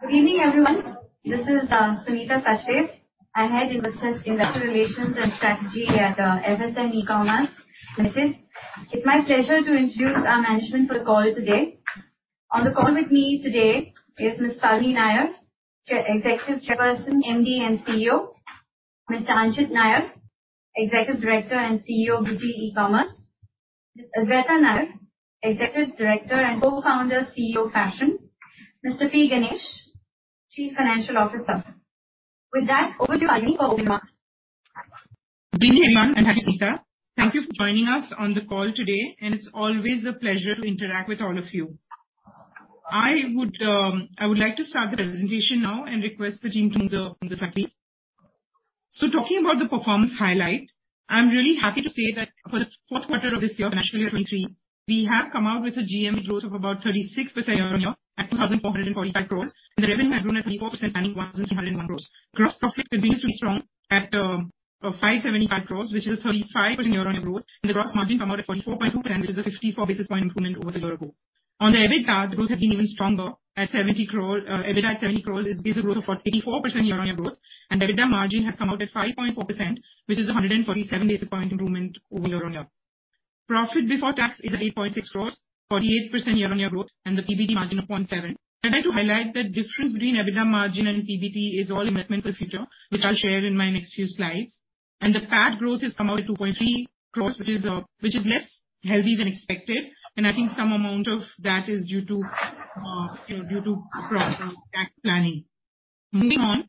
Good evening, everyone. This is Sunita Sachdev. I'm Head Investor Relations and Strategy at FSN E-Commerce Ventures. It's my pleasure to introduce our management for the call today. On the call with me today is Miss Falguni Nayar, Executive Chairperson, MD and CEO. Mr. Anchit Nayar, Executive Director and CEO of Beauty E-commerce. Miss Adwaita Nayar, Executive Director and Co-founder, CEO of Fashion. Mr. P. Ganesh, Chief Financial Officer. Over to you, Falguni, for opening remarks. Good evening. Thank you, Sunita. Thank you for joining us on the call today. It's always a pleasure to interact with all of you. I would like to start the presentation now and request that you bring the slides. Talking about the performance highlight, I'm really happy to say that for the fourth quarter of this year, financial year 2023, we have come out with a GMV growth of about 36% year-on-year at 2,045 crores. The revenue has grown at 44% standing 1,301 crores. Gross profit continues to be strong at 575 crores, which is a 35% year-on-year growth. The gross margin come out at 44.2% which is a 54 basis point improvement over the year ago. On the EBITDA, the growth has been even stronger at 70 crore. EBITDA at 70 crore is basic growth of 44% year-on-year growth. The EBITDA margin has come out at 5.4%, which is 147 basis point improvement over year-on-year. Profit before tax is at 8.6 crore, 48% year-on-year growth and the PBT margin of 0.7%. I'd like to highlight the difference between EBITDA margin and PBT is all investment for the future, which I'll share in my next few slides. The PAT growth has come out at 2.3 crore, which is less healthy than expected. I think some amount of that is due to, you know, due to proper tax planning. Moving on.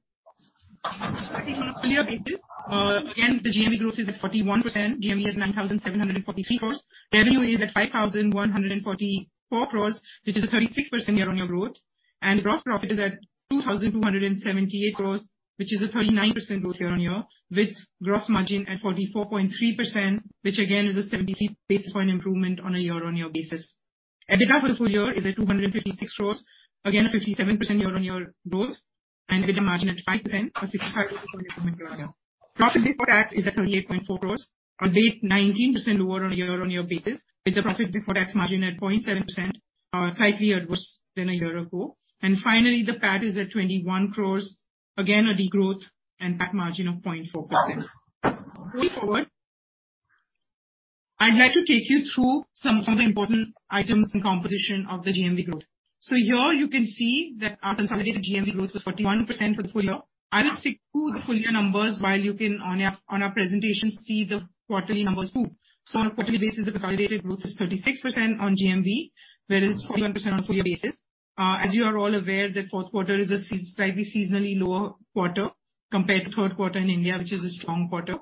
Looking on a full year basis, again, the GMV growth is at 41%. GMV is 9,743 crores. Revenue is at 5,144 crores, which is a 36% year-on-year growth. Gross profit is at 2,278 crores, which is a 39% growth year-on-year with gross margin at 44.3% which again is a 73 basis point improvement on a year-on-year basis. EBITDA for full year is at 256 crores. Again, a 57% year-on-year growth and EBITDA margin at 5% from the year ago. Profit before tax is at 38.4 crores, a big 19% lower on a year-on-year basis, with the profit before tax margin at 0.7%, slightly worse than a year ago. Finally, the PAT is at 21 crores. Again, a degrowth and PAT margin of 0.4%. Moving forward, I'd like to take you through some of the important items and composition of the GMV growth. Here you can see that our consolidated GMV growth was 41% for the full year. I will stick to the full year numbers while you can on our presentation, see the quarterly numbers too. On a quarterly basis, the consolidated growth is 36% on GMV, whereas 41% on a full year basis. As you are all aware that fourth quarter is a slightly seasonally lower quarter compared to third quarter in India, which is a strong quarter.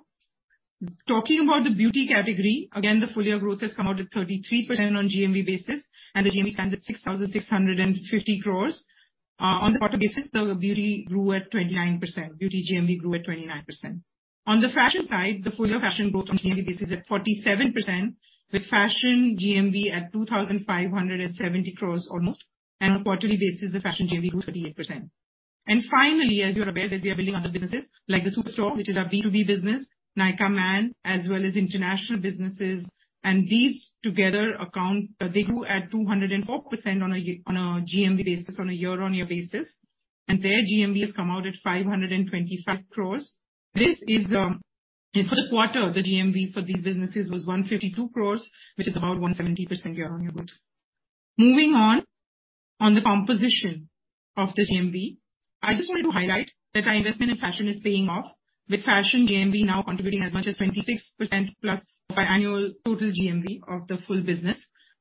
Talking about the beauty category, again, the full year growth has come out at 33% on GMV basis, and the GMV stands at 6,650 crores. On the quarter basis, the beauty grew at 29%. Beauty GMV grew at 29%. On the fashion side, the full year fashion growth on GMV basis at 47% with fashion GMV at 2,570 crores almost. On a quarterly basis, the fashion GMV grew 38%. Finally, as you're aware that we are building other businesses like the Superstore, which is our B2B business, Nykaa Man, as well as international businesses. These together grew at 204% on a GMV basis, on a year-on-year basis. Their GMV has come out at 525 crores. In the fourth quarter, the GMV for these businesses was 152 crores, which is about 170% year-on-year growth. Moving on the composition of the GMV. I just wanted to highlight that our investment in fashion is paying off, with fashion GMV now contributing as much as 26% plus of our annual total GMV of the full business.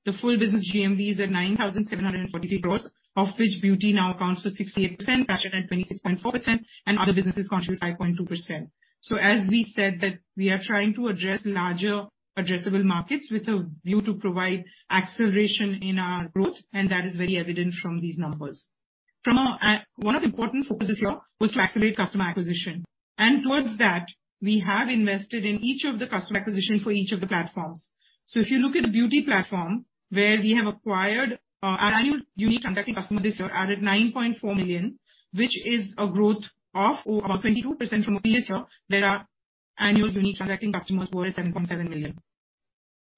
The full business GMV is at 9,743 crores, of which beauty now accounts for 68%, fashion at 26.4%, and other businesses contribute 5.2%. As we said that we are trying to address larger addressable markets with a view to provide acceleration in our growth, and that is very evident from these numbers. From our, one of the important focuses here was to accelerate customer acquisition. Towards that, we have invested in each of the customer acquisition for each of the platforms. If you look at the beauty platform, where we have acquired, our annual unique transacting customer this year are at 9.4 million, which is a growth of over 22% from the previous year, where our annual unique transacting customers were at 7.7 million.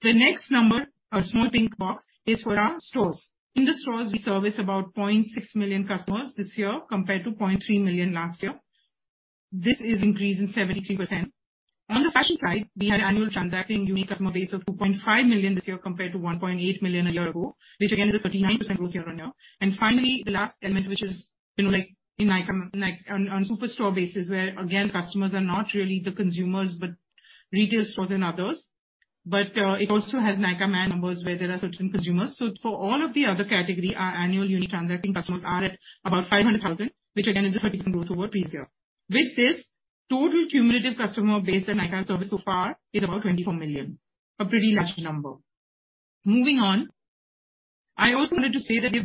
The next number, a small pink box, is for our stores. In the stores, we service about 0.6 million customers this year compared to 0.3 million last year. This is increase in 73%. On the fashion side, we had annual transacting unique customer base of 2.5 million this year compared to 1.8 million a year ago, which again is a 39% growth year-on-year. Finally, the last element, which is, you know, like in Nykaa, like on Superstore basis, where again customers are not really the consumers, but retail stores and others. It also has Nykaa Man numbers where there are certain consumers. For all of the other category, our annual unique transacting customers are at about 500,000, which again is a 30% growth over previous year. With this, total cumulative customer base that Nykaa serves so far is about 24 million. A pretty large number. Moving on. I also wanted to say that it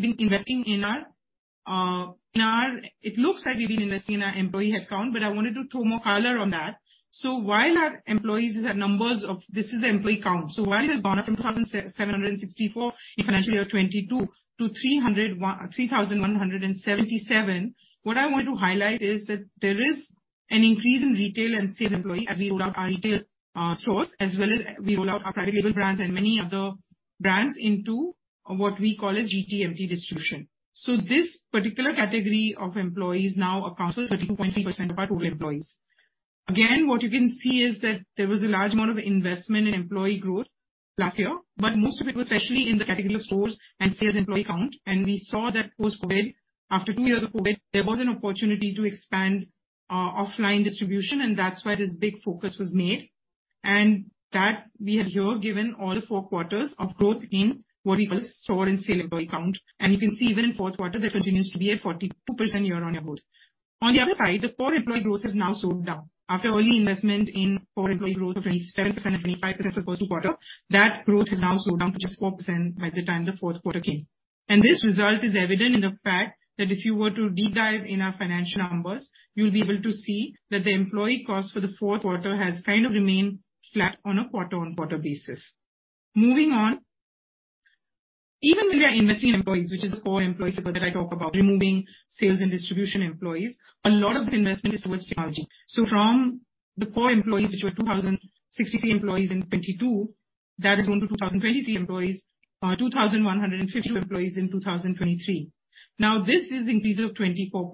looks like we've been investing in our employee headcount, but I wanted to throw more color on that. While our employees have numbers of... This is the employee count. While it has gone up from 2,764 in financial year 2022 to 3,177, what I wanted to highlight is that there is an increase in retail and sales employee as we rolled out our retail stores as well as we roll out our private label brands and many other brands into what we call a GTMT distribution. This particular category of employees now accounts for 32.3% of our total employees. Again, what you can see is that there was a large amount of investment in employee growth last year, but most of it was especially in the category of stores and sales employee count. We saw that post-COVID, after two years of COVID, there was an opportunity to expand our offline distribution, and that's where this big focus was made. That we have here given all the four quarters of growth in what we call store and sale employee count. You can see even in fourth quarter, that continues to be at 42% year-on-year growth. On the other side, the core employee growth has now slowed down. After early investment in core employee growth of 27% and 25% the first two quarter, that growth has now slowed down to just 4% by the time the fourth quarter came. This result is evident in the fact that if you were to deep dive in our financial numbers, you'll be able to see that the employee cost for the fourth quarter has kind of remained flat on a quarter-on-quarter basis. Moving on, even when we are investing in employees, which is the core employee figure that I talked about, removing sales and distribution employees, a lot of this investment is towards technology. From the core employees, which were 2,063 employees in 2022, that has grown to 2,150 employees in 2023. This is increase of 24%.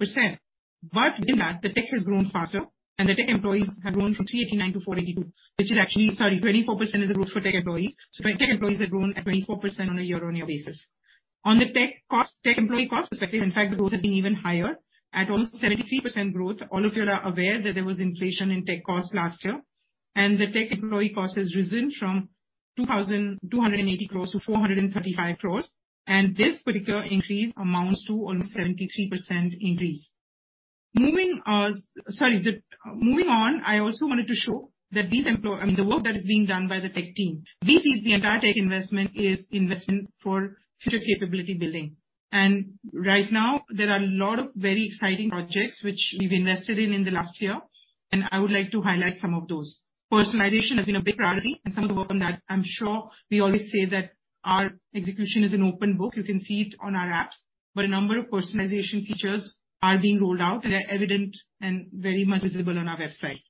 Within that, the tech has grown faster, the tech employees have grown from 389 to 482, 24% is the growth for tech employees. Tech employees have grown at 24% on a year-on-year basis. On the tech cost, tech employee cost perspective, in fact, the growth has been even higher at almost 73% growth. All of you are aware that there was inflation in tech costs last year, and the tech employee cost has risen from 2,280 crores to 435 crores. This particular increase amounts to almost 73% increase. Sorry, Moving on, I also wanted to show that I mean, the work that is being done by the tech team. This is the entire tech investment is investment for future capability building. Right now, there are a lot of very exciting projects which we've invested in the last year, and I would like to highlight some of those. Personalization has been a big priority and some of the work on that I'm sure we always say that our execution is an open book. You can see it on our apps. A number of personalization features are being rolled out, and they're evident and very much visible on our website.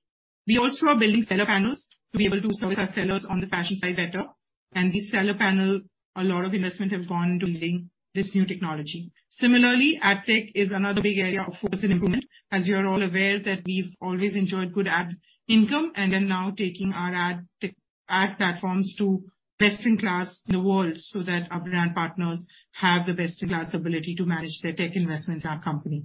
We also are building seller panels to be able to service our sellers on the fashion side better. The seller panel, a lot of investment have gone to building this new technology. Similarly, ad tech is another big area of focus and improvement, as you're all aware that we've always enjoyed good ad income and we're now taking our ad platforms to best-in-class in the world, so that our brand partners have the best-in-class ability to manage their ad investment in our company.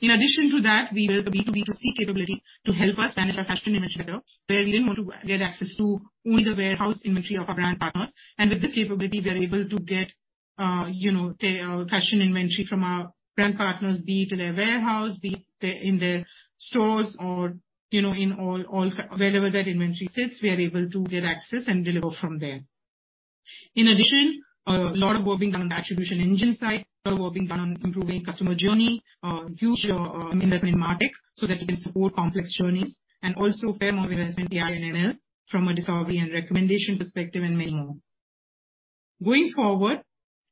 In addition to that, we built a B2B2C capability to help us manage our fashion image better, where we'll be able to get access to only the warehouse inventory of our brand partners. With this capability, we are able to get, you know, the fashion inventory from our brand partners, be it to their warehouse, be it their, in their stores or, you know, wherever that inventory sits, we are able to get access and deliver from there. In addition, a lot of work being done on the attribution engine side, a lot of work being done on improving customer journey, huge investment in MarTech so that we can support complex journeys. Also fair amount of investment in AI and ML from a discovery and recommendation perspective and many more. Going forward,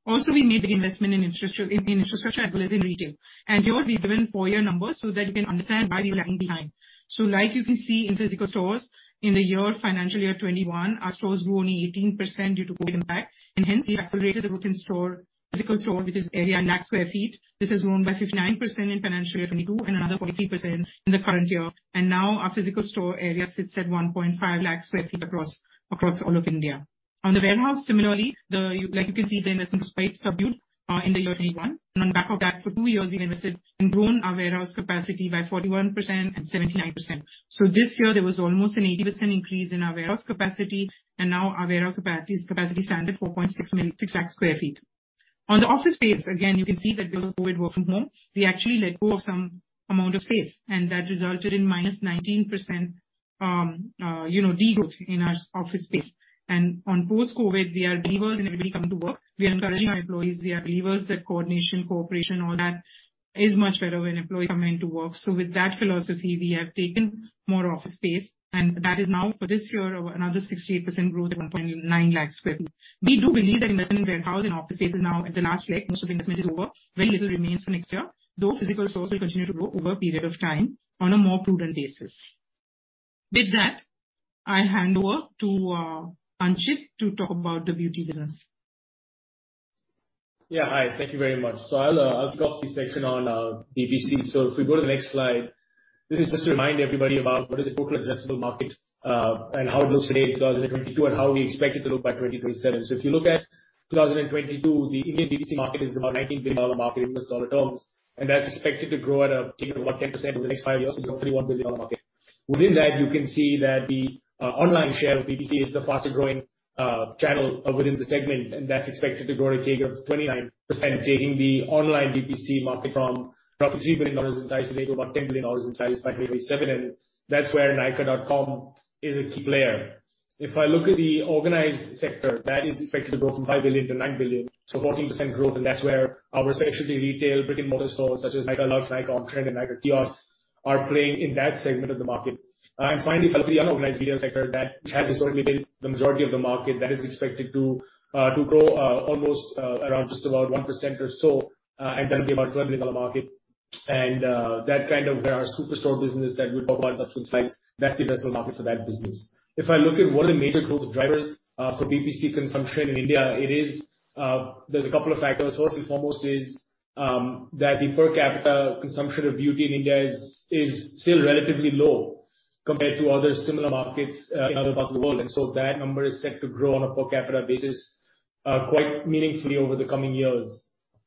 also we made the investment in infrastructure as well as in retail. Here we've given 4-year numbers so that you can understand why we're lagging behind. Like you can see in physical stores in the year, financial year 2021, our stores grew only 18% due to COVID impact, hence we accelerated the growth in store, physical store, which is area in lakh square feet. This has grown by 59% in financial year 2022 and another 43% in the current year. Now our physical store area sits at 1.5 lakh square feet across all of India. On the warehouse, similarly, like you can see the investment was quite subdued in the year of 2021. On back of that, for two years, we've invested and grown our warehouse capacity by 41% and 79%. This year there was almost an 80% increase in our warehouse capacity, now our warehouse capacity stands at 6 lakh square feet. On the office space, again, you can see that because of COVID work from home, we actually let go of some amount of space, and that resulted in minus 19%, you know, degrowth in our office space. On post-COVID, we are believers in everybody coming to work. We are encouraging our employees. We are believers that coordination, cooperation, all that is much better when employees come into work. With that philosophy, we have taken more office space, and that is now for this year, another 68% growth at 1.9 lakh sq ft. We do believe that investment in warehouse and office space is now at the last leg. Most of the investment is over. Very little remains for next year, though physical stores will continue to grow over a period of time on a more prudent basis. With that, I hand over to Anchit to talk about the beauty business. Yeah. Hi. Thank you very much. I'll kick off the section on BPC. If we go to the next slide, this is just to remind everybody about what is the total addressable market and how it looks today in 2022 and how we expect it to look by 2027. If you look at 2022, the Indian BPC market is about a $19 billion market in US dollar terms, and that's expected to grow at a CAGR of about 10% over the next five years to a $31 billion market. Within that, you can see that the online share of BPC is the fastest growing channel within the segment, and that's expected to grow at a CAGR of 29%, taking the online BPC market from roughly $3 billion in size today to about $10 billion in size by 2027. That's where Nykaa.com is a key player. If I look at the organized sector, that is expected to grow from $5 billion-$9 billion, so 14% growth, that's where our specialty retail brick-and-mortar stores such as Nykaa Luxe, Nykaa On Trend, and Nykaa Kiosks are playing in that segment of the market. Finally, for the unorganized beauty sector which has historically been the majority of the market, that is expected to grow almost around just about 1% or so, and that'll be about a $12 billion market. That's kind of where our Superstore business that we'll talk about in subsequent slides, that's the best market for that business. If I look at what are the major growth drivers for BPC consumption in India, it is there's a couple of factors. First and foremost is that the per capita consumption of beauty in India is still relatively low compared to other similar markets in other parts of the world. That number is set to grow on a per capita basis quite meaningfully over the coming years.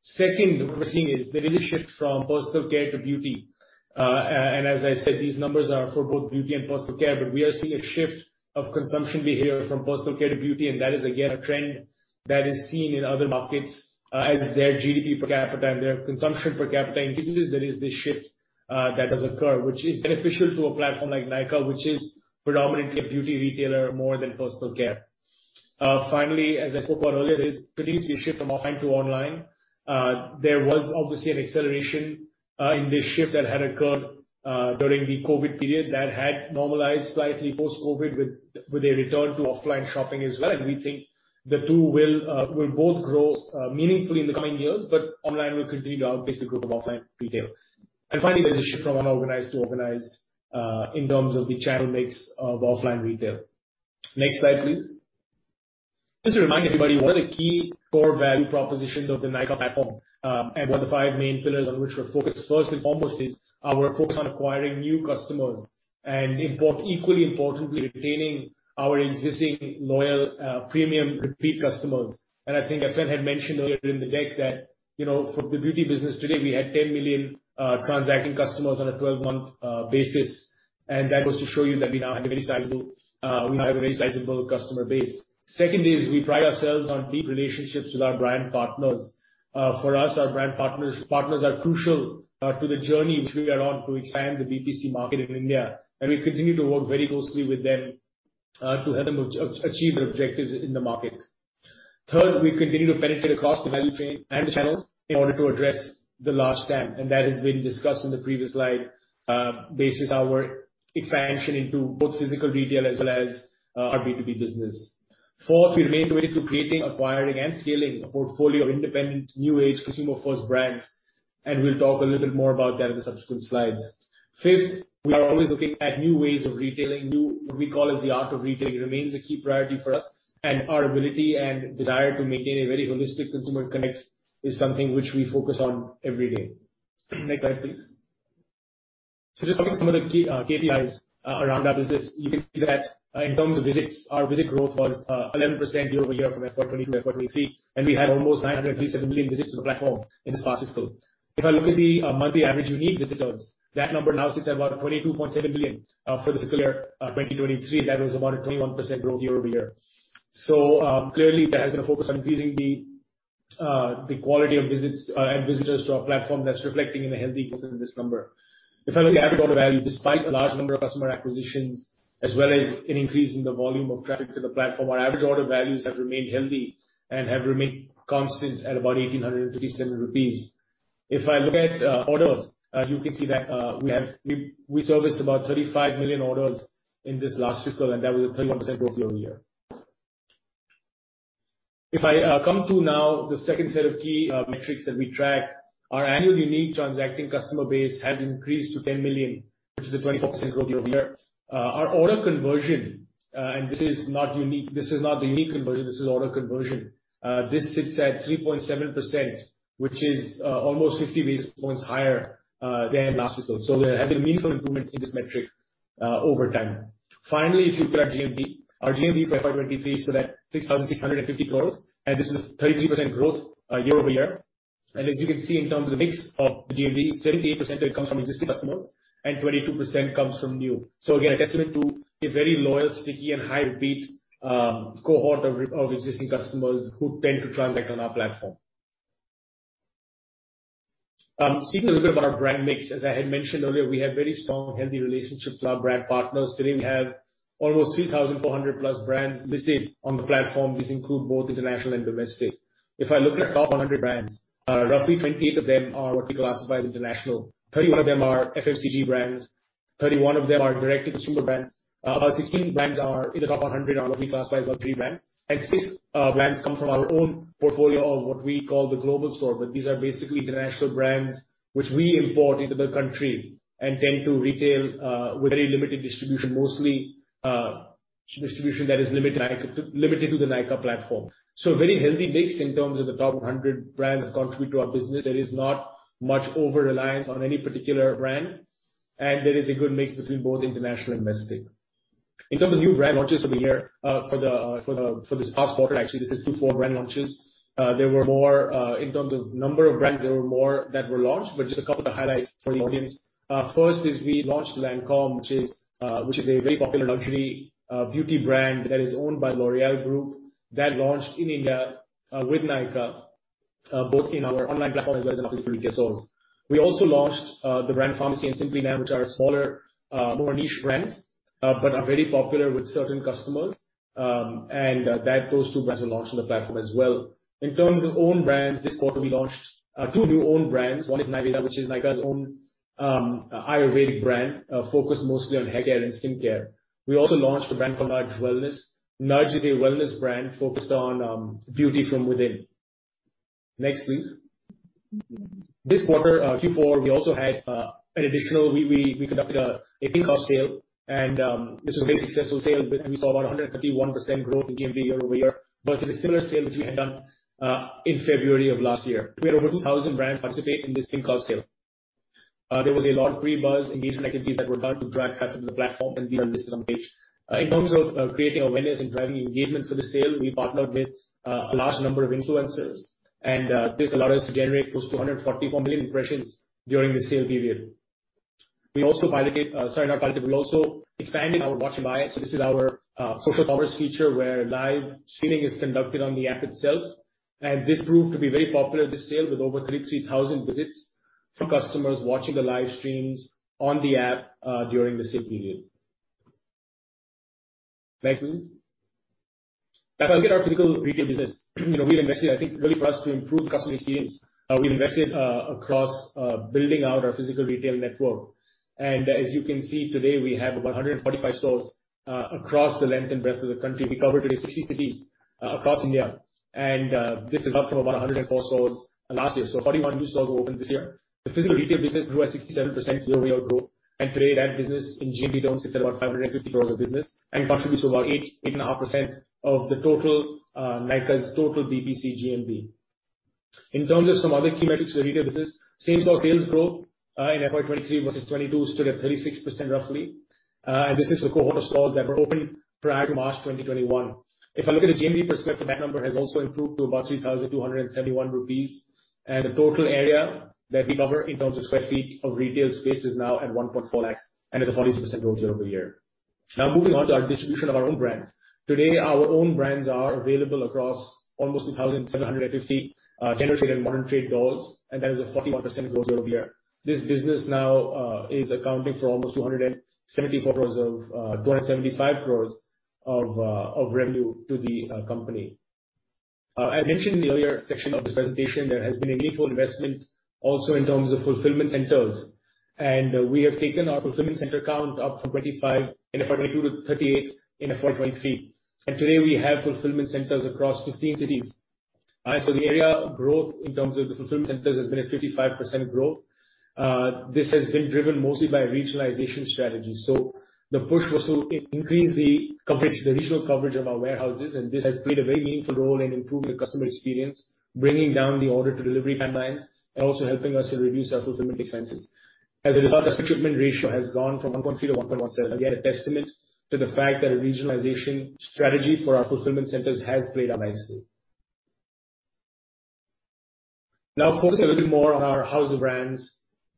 Second, what we're seeing is there is a shift from personal care to beauty. And as I said, these numbers are for both beauty and personal care, but we are seeing a shift of consumption behavior from personal care to beauty, and that is again, a trend that is seen in other markets, as their GDP per capita and their consumption per capita increases there is this shift that does occur, which is beneficial to a platform like Nykaa, which is predominantly a beauty retailer more than personal care. Finally, as I spoke about earlier, there's continuously a shift from offline to online. There was obviously an acceleration in this shift that had occurred during the COVID period that had normalized slightly post-COVID with a return to offline shopping as well. We think the two will both grow meaningfully in the coming years, but online will continue to outpace the growth of offline retail. Finally, there's a shift from unorganized to organized, in terms of the channel mix of offline retail. Next slide, please. Just to remind everybody, one of the key core value propositions of the Nykaa platform, and one of the five main pillars on which we're focused, first and foremost, is, we're focused on acquiring new customers and equally importantly, retaining our existing loyal, premium repeat customers. I think Aspen had mentioned earlier in the deck that, you know, for the beauty business today, we had 10 million transacting customers on a 12-month basis. That goes to show you that we now have a very sizable customer base. Second is we pride ourselves on deep relationships with our brand partners. For us, our brand partners are crucial to the journey which we are on to expand the BPC market in India, and we continue to work very closely with them to help them achieve their objectives in the market. Third, we continue to penetrate across the value chain and the channels in order to address the large TAM, and that has been discussed in the previous slide, basis our expansion into both physical retail as well as our B2B business. Fourth, we remain committed to creating, acquiring, and scaling a portfolio of independent new age consumer-first brands, and we'll talk a little bit more about that in the subsequent slides. Fifth, we are always looking at new ways of retailing, what we call as the art of retailing remains a key priority for us and our ability and desire to maintain a very holistic consumer connect is something which we focus on every day. Next slide, please. Just looking at some of the key KPIs around our business. You can see that in terms of visits, our visit growth was 11% year-over-year from FY22 to FY23, and we had almost 937 million visits to the platform in this past fiscal. If I look at the monthly average unique visitors, that number now sits at about 22.7 million for the fiscal year 2023. That was about a 21% growth year-over-year. Clearly there has been a focus on increasing the quality of visits and visitors to our platform that's reflecting in a healthy increase in this number. If I look at average order value, despite a large number of customer acquisitions as well as an increase in the volume of traffic to the platform, our average order values have remained healthy and have remained constant at about 1,857 rupees. If I look at orders, you can see that we serviced about 35 million orders in this last fiscal, and that was a 31% growth year-over-year. If I come to now the second set of key metrics that we track, our annual unique transacting customer base has increased to 10 million, which is a 24% growth year-over-year. Our order conversion, this is order conversion. This sits at 3.7%, which is almost 50 basis points higher than last fiscal. We're having meaningful improvement in this metric over time. Finally, if you look at GMV, our GMV for FY 2023 stood at 6,650 crores, this is 33% growth year-over-year. As you can see in terms of mix of GMV, 78% of it comes from existing customers and 22% comes from new. Again, a testament to a very loyal, sticky and high repeat cohort of existing customers who tend to transact on our platform. Speaking a little bit about our brand mix, as I had mentioned earlier, we have very strong healthy relationships with our brand partners. Today we have almost 3,400 plus brands listed on the platform. These include both international and domestic. If I look at our top 100 brands, roughly 28 of them are what we classify as international. 31 of them are FMCG brands, 31 of them are direct-to-consumer brands. 16 brands are in the top 100 are what we classify as luxury brands. 6 brands come from our own portfolio of what we call the Global Store. These are basically international brands which we import into the country and tend to retail with very limited distribution. Mostly, distribution that is limited to the Nykaa platform. A very healthy mix in terms of the top 100 brands that contribute to our business. There is not much over-reliance on any particular brand, and there is a good mix between both international and domestic. In terms of new brand launches over here, for this past quarter, actually, this is 2 core brand launches. There were more in terms of number of brands that were launched, but just a couple to highlight for the audience. First is we launched Lancôme, which is a very popular luxury beauty brand that is owned by L'Oréal Group, that launched in India with Nykaa both in our online platform as well as in our physical retail stores. We also launched the brand Farmasi and Simply Nail, which are smaller, more niche brands, but are very popular with certain customers. Those two brands were launched on the platform as well. In terms of own brands, this quarter we launched two new own brands. One is Navya, which is Nykaa's own Ayurvedic brand, focused mostly on hair care and skin care. We also launched a brand called Nudge Wellness. Nudge is a wellness brand focused on beauty from within. Next, please. This quarter, Q4, we also had a Pink Sale. This was a very successful sale. We saw about 151% growth in GMV year-over-year versus a similar sale which we had done in February of last year. We had over 2,000 brands participate in this Pink Sale. There was a lot of pre-buzz engagement activities that were done to drive traffic to the platform, and these are listed on the page. In terms of creating awareness and driving engagement for the sale, we partnered with a large number of influencers, and this allowed us to generate close to 144 million impressions during the sale period. We've also expanded our Watch and Buy. This is our social commerce feature where live streaming is conducted on the app itself. This proved to be very popular this sale with over 33,000 visits from customers watching the live streams on the app during the same period. Next, please. If I look at our physical retail business, you know, we invested, I think, really for us to improve customer experience. We invested across building out our physical retail network. As you can see today, we have about 145 stores across the length and breadth of the country. We cover today 60 cities across India and this is up from about 104 stores last year, so 41 new stores were opened this year. The physical retail business grew at 67% year-over-year growth, Today that business in GMV terms sits at about 550 crores of business and contributes to about 8-8.5% of the total Nykaa's total BPC GMV. In terms of some other key metrics for the retail business, same-store sales growth in FY 2023 versus 2022 stood at 36% roughly. This is the cohort of stores that were opened prior to March 2021. If I look at the GMV per square foot, that number has also improved to about 3,271 rupees. The total area that we cover in terms of square feet of retail space is now at 1.4 lakhs and is a 46% growth year-over-year. Now moving on to our distribution of our own brands. Today, our own brands are available across almost 2,750 tender trade and modern trade stores, and that is a 41% growth year-over-year. This business now is accounting for almost 275 crores of revenue to the company. As mentioned in the earlier section of this presentation, there has been a meaningful investment also in terms of fulfillment centers. We have taken our fulfillment center count up from 25 in FY 2022 to 38 in FY 2023. Today we have fulfillment centers across 15 cities. All right? The area growth in terms of the fulfillment centers has been a 55% growth. This has been driven mostly by regionalization strategy. The push was to increase the coverage, the regional coverage of our warehouses. This has played a very meaningful role in improving the customer experience, bringing down the order-to-delivery timelines and also helping us to reduce our fulfillment expenses. As a result, our shipment ratio has gone from 1.3 to 1.17, again, a testament to the fact that a regionalization strategy for our fulfillment centers has played out nicely. Focusing a little bit more on our house of brands.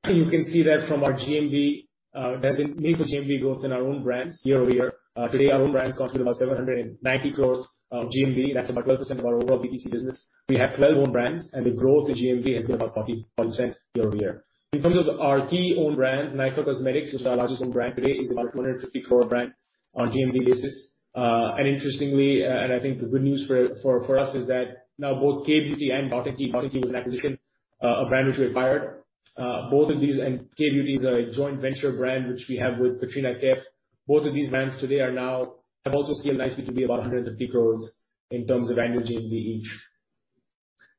You can see that from our GMV, there's been meaningful GMV growth in our own brands year-over-year. Today, our own brands constitute about 790 crore of GMV. That's about 12% of our overall BPC business. We have 12 own brands, the growth to GMV has been about 41% year-over-year. In terms of our key own brands, Nykaa Cosmetics, which is our largest own brand today, is about 250 crore brand on GMV basis. Interestingly, and I think the good news for us is that now both Kay Beauty and Botaniq was an acquisition, a brand which we acquired. Both of these. Kay Beauty is a joint venture brand which we have with Katrina Kaif. Both of these brands today have also scaled nicely to be about 150 crores in terms of annual GMV each.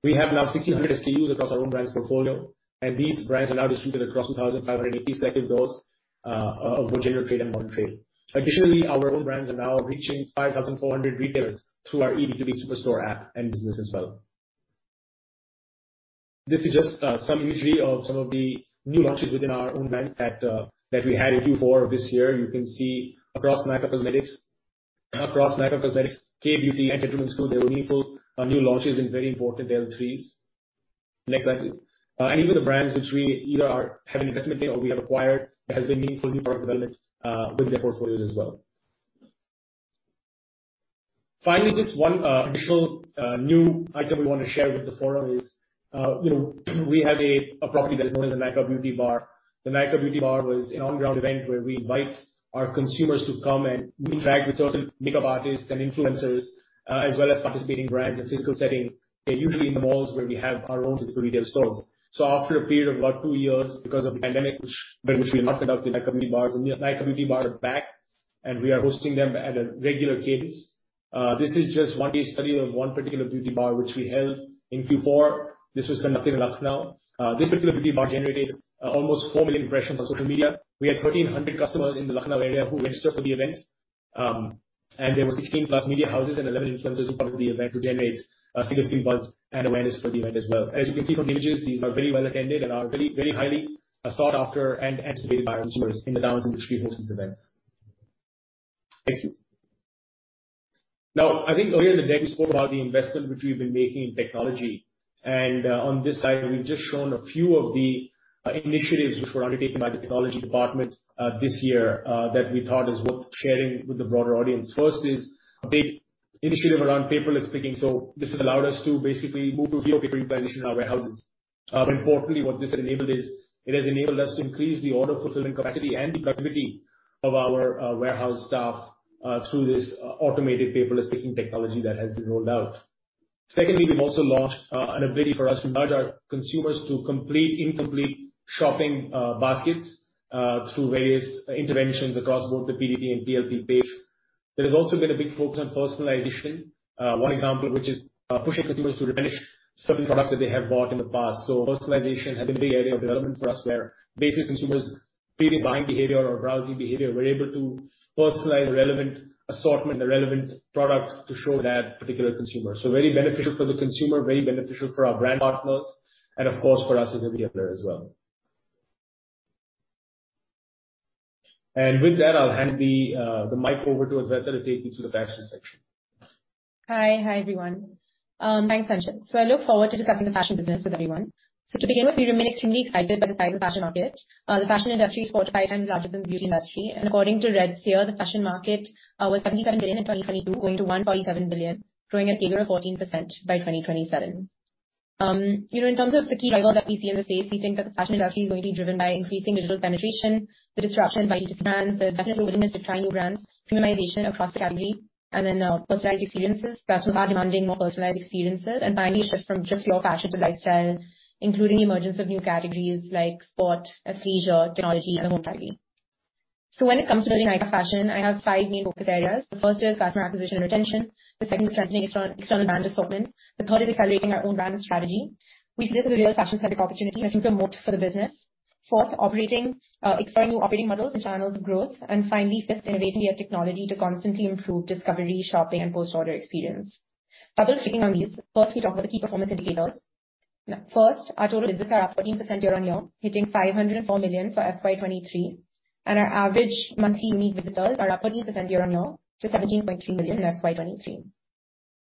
We have now 1,600 SKUs across our own brands portfolio, and these brands are now distributed across 2,580 selected stores of both general trade and modern trade. Additionally, our own brands are now reaching 5,400 retailers through our E2B superstore app and business as well. This is just some imagery of some of the new launches within our own brands that we had in Q4 of this year. You can see across Nykaa Cosmetics, Kay Beauty and Gentlemen's Fou, there were meaningful new launches in very important L3s. Next slide, please. Even the brands which we either are, have an investment in or we have acquired, there has been meaningful new product development with their portfolios as well. Finally, just one additional new item we wanna share with the forum is, you know, we have a property that is known as the Nykaa Beauty Bar. The Nykaa Beauty Bar was an on-ground event where we invite our consumers to come and meet and interact with certain makeup artists and influencers as well as participating brands in a physical setting. They're usually in malls where we have our own physical retail stores. After a period of about two years because of the pandemic, which, during which we have not conducted Nykaa Beauty Bars, the Nykaa Beauty Bar are back, and we are hosting them at a regular cadence. This is just one case study of one particular Beauty Bar which we held in Q4. This was conducted in Lucknow. This particular Beauty Bar generated almost 4 million impressions on social media. We had 1,300 customers in the Lucknow area who registered for the event. There were 16+ media houses and 11 influencers who covered the event to generate significant buzz and awareness for the event as well. As you can see from the images, these are very well attended and are very, very highly sought after and anticipated by our consumers in the towns in which we host these events. Thank you. I think earlier in the deck we spoke about the investment which we've been making in technology, and on this slide we've just shown a few of the initiatives which were undertaken by the technology department this year that we thought is worth sharing with the broader audience. First is a big initiative around paperless picking. This has allowed us to basically move to zero paperization in our warehouses. Importantly, what this enabled is, it has enabled us to increase the order fulfillment capacity and the productivity of our warehouse staff through this automated paperless picking technology that has been rolled out. Secondly, we've also launched an ability for us to nudge our consumers to complete incomplete shopping baskets through various interventions across both the PDP and PLP page. There's also been a big focus on personalization. One example which is pushing consumers to replenish certain products that they have bought in the past. Personalization has been a big area of development for us, where basically consumers' previous buying behavior or browsing behavior, we're able to personalize relevant assortment, the relevant product to show that particular consumer. Very beneficial for the consumer, very beneficial for our brand partners, and of course, for us as a retailer as well. With that, I'll hand the mic over to Adwaita to take you through the fashion section. Hi. Hi, everyone. Thanks, Anchit. I look forward to discussing the fashion business with everyone. To begin with, we remain extremely excited by the size of fashion market. The fashion industry is four to five times larger than beauty industry, and according to RedSeer, the fashion market was 77 billion in 2022, going to 147 billion, growing at a CAGR of 14% by 2027. You know, in terms of the key drivers that we see in the space, we think that the fashion industry is going to be driven by increasing digital penetration, the disruption by each brand, the definite willingness to try new brands, premiumization across the category, and then personalized experiences. Customers are demanding more personalized experiences, finally, a shift from just raw fashion to lifestyle, including emergence of new categories like sport and leisure, technology, and the home category. When it comes to building Nykaa Fashion, I have five main focus areas. The first is customer acquisition and retention. The second is strengthening external brand assortment. The third is accelerating our own brand strategy. We see this as a real fashion-centric opportunity and a future moat for the business. Fourth, exploring new operating models and channels of growth. Finally, fifth, innovating via technology to constantly improve discovery, shopping, and post-order experience. Double-clicking on these. First, our total visits are up 14% year-on-year, hitting 504 million for FY 2023. Our average monthly unique visitors are up 14% year-on-year to 17.3 million in FY23. In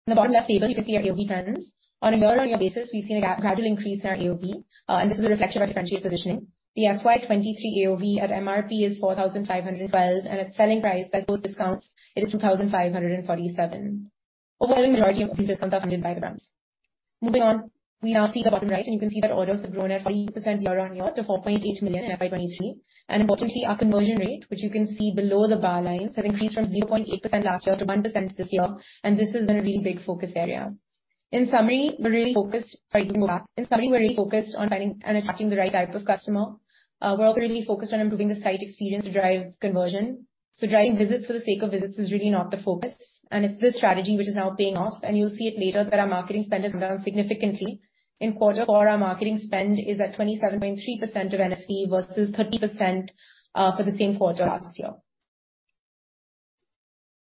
the bottom left table, you can see our AOV trends. On a year-on-year basis, we've seen a gradual increase in our AOV, and this is a reflection of our differentiated positioning. The FY23 AOV at MRP is 4,512, and at selling price, that's post discounts, it is 2,547. Overall, the majority of these discounts are funded by the brands. Moving on, we now see the bottom right. You can see that orders have grown at 40% year-on-year to 4.8 million in FY23. Importantly, our conversion rate, which you can see below the bar line, has increased from 0.8% last year to 1% this year. This has been a really big focus area. Sorry, let me move back. In summary, we're really focused on finding and attracting the right type of customer. We're also really focused on improving the site experience to drive conversion. Driving visits for the sake of visits is really not the focus. It's this strategy which is now paying off. You'll see it later that our marketing spend has come down significantly. In quarter four, our marketing spend is at 27.3% of NSV versus 30% for the same quarter last year.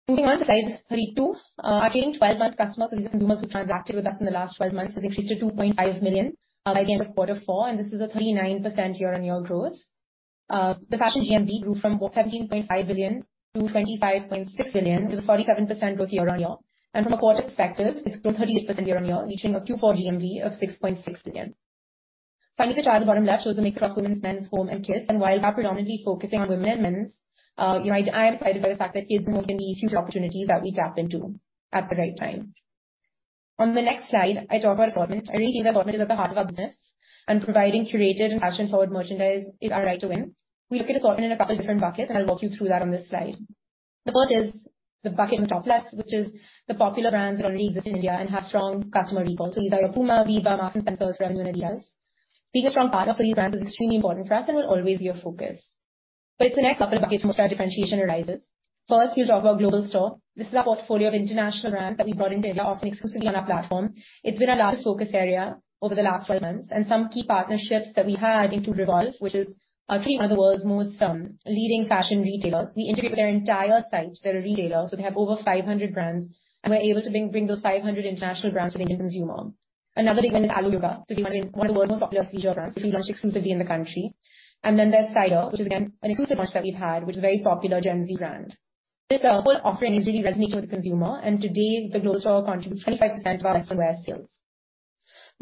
Moving on to slide 32. Our trailing 12-month customers, so these are consumers who transacted with us in the last 12 months, has increased to 2.5 million by the end of quarter four, and this is a 39% year-over-year growth. The fashion GMV grew from 17.5 billion to 25.6 billion, which is a 47% growth year-over-year. From a quarter perspective, it's grown 38% year-over-year, reaching a Q4 GMV of 6.6 billion. Finally, the chart at the bottom left shows the mix across women's, men's, home, and kids. While we are predominantly focusing on women and men's, you know, I am excited by the fact that kids can be a future opportunity that we tap into at the right time. On the next slide, I talk about assortment. I really think that assortment is at the heart of our business, and providing curated and fashion-forward merchandise is our right to win. We look at assortment in a couple different buckets, and I'll walk you through that on this slide. The first is the bucket in the top left, which is the popular brands that already exist in India and have strong customer recall. These are your Puma, Biba, Marks & Spencer, Raymond, and Adidas. Being a strong partner for these brands is extremely important for us and will always be a focus. It's the next couple of buckets where our differentiation arises. First, we'll talk about Global Store. This is our portfolio of international brands that we've brought into India, often exclusively on our platform. It's been our largest focus area over the last 12 months, and some key partnerships that we've had include Revolve, which is currently one of the world's most leading fashion retailers. We integrate with their entire site. They're a retailer, so they have over 500 brands, and we're able to bring those 500 international brands to the Indian consumer. Another big one is Alo Yoga. Again, one of the world's most popular leisure brands, which we've launched exclusively in the country. There's Cider, which is again, an exclusive launch that we've had, which is a very popular Gen Z brand. This whole offering is really resonating with the consumer, and today, the Global Store contributes 25% of our wear-to-wear sales.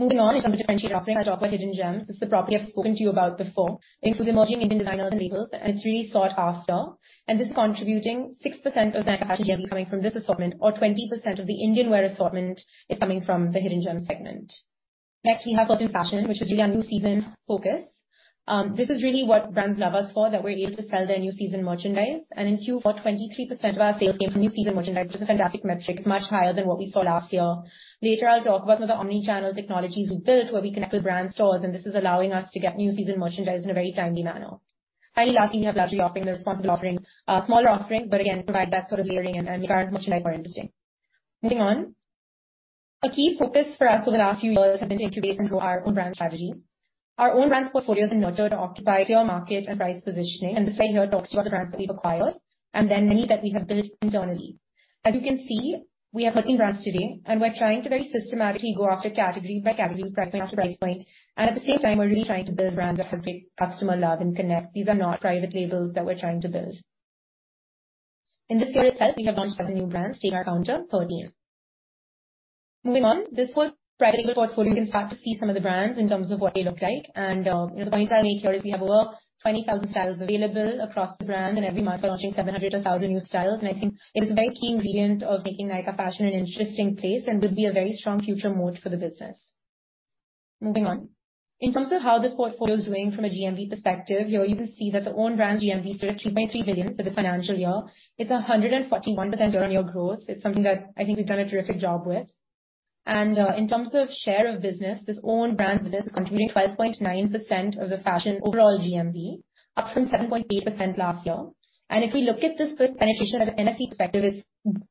Moving on, in terms of differentiated offering, I talk about Hidden Gems. This is a property I've spoken to you about before. It includes emerging Indian designers and labels, and it's really sought after. This is contributing 6% of Nykaa Fashion GMV coming from this assortment or 20% of the Indian wear assortment is coming from the Hidden Gems segment. Next, we have First In Fashion, which is really our new season focus. This is really what brands love us for, that we're able to sell their new season merchandise. In Q4, 23% of our sales came from new season merchandise, which is a fantastic metric. It's much higher than what we saw last year. Later I'll talk about some of the omni-channel technologies we've built, where we connect with brand stores, this is allowing us to get new season merchandise in a very timely manner. Finally, lastly, we have luxury offering, the responsible offering. Smaller offerings, but again, provide that sort of layering and make our merchandise more interesting. Moving on, a key focus for us over the last few years has been to incubate and grow our own brand strategy. Our own brands portfolio is nurtured to occupy clear market and price positioning, and this slide here talks about the brands that we've acquired and then many that we have built internally. As you can see, we have 13 brands today, and we're trying to very systematically go after category by category, price point after price point, and at the same time, we're really trying to build brands that have great customer love and connect. These are not private labels that we're trying to build. In this year itself, we have launched 7 new brands, taking our count to 13. Moving on, this whole private label portfolio, you can start to see some of the brands in terms of what they look like. you know, the point I'll make here is we have over 20,000 styles available across the brand, and every month we're launching 700 to 1,000 new styles. I think it is a very key ingredient of making Nykaa Fashion an interesting place and will be a very strong future moat for the business. Moving on. In terms of how this portfolio is doing from a GMV perspective, here you can see that the own brand GMV is at 3.3 billion for this financial year. It's a 141% year-on-year growth. It's something that I think we've done a terrific job with. In terms of share of business, this own brands business is contributing 12.9% of the Nykaa Fashion overall GMV, up from 7.8% last year. If we look at this with penetration as an NFC perspective, it's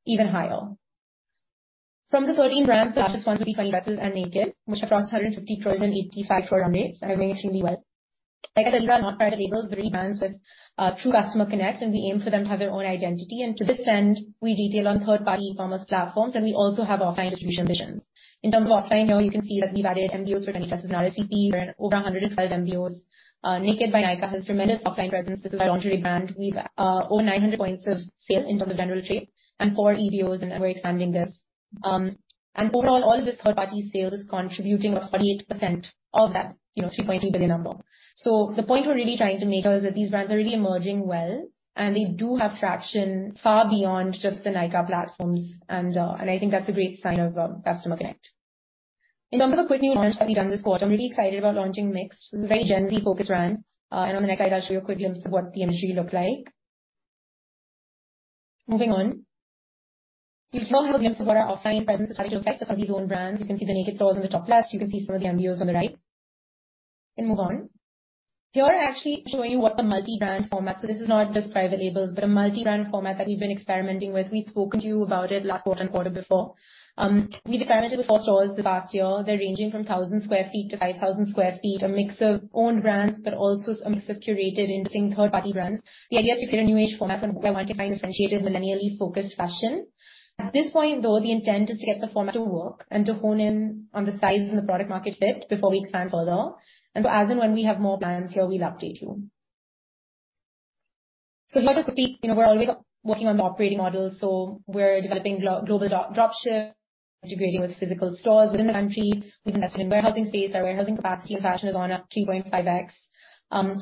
even higher. From the 13 brands, the largest ones would be Twenty Dresses and NA-KD, which have crossed 150 crores and 85 crores respectively and are doing extremely well. Like I said, these are not private labels, but brands with true customer connect, and we aim for them to have their own identity. To this end, we retail on third-party commerce platforms, and we also have offline distribution visions. In terms of offline, here you can see that we've added MBOs for Twenty Dresses and RSVP. We're at over 112 MBOs. NA-KD by Nykaa has tremendous offline presence. This is our lingerie brand. We've over 900 points of sale in terms of general trade and 4 EBOs, and we're expanding this. Overall, all of this third-party sales is contributing 48% of that, you know, 3.3 billion number. The point we're really trying to make is that these brands are really emerging well, and they do have traction far beyond just the Nykaa platforms. I think that's a great sign of customer connect. In terms of the quick new launch that we've done this quarter, I'm really excited about launching Mixo. This is a very Gen Z-focused brand. On the next slide, I'll show you a quick glimpse of what the imagery looks like. Moving on. Here's a little glimpse of what our offline presence is starting to look like for some of these own brands. You can see the NA-KD stores on the top left. You can see some of the MBOs on the right. Can move on. Here I'm actually showing you this is not just private labels, but a multi-brand format that we've been experimenting with. We've spoken to you about it last quarter and quarter before. We've experimented with four stores this past year. They're ranging from 1,000 sq ft to 5,000 sq ft. A mix of own brands, but also a mix of curated interesting third-party brands. The idea is to create a new age format for multi-brand differentiated millennially focused fashion. At this point, though, the intent is to get the format to work and to hone in on the size and the product market fit before we expand further. As and when we have more plans here, we'll update you. Here, just quickly, you know, we're always working on the operating model, so we're developing global drop ship, integrating with physical stores within the country. We've invested in warehousing space. Our warehousing capacity in fashion is on a 3.5x.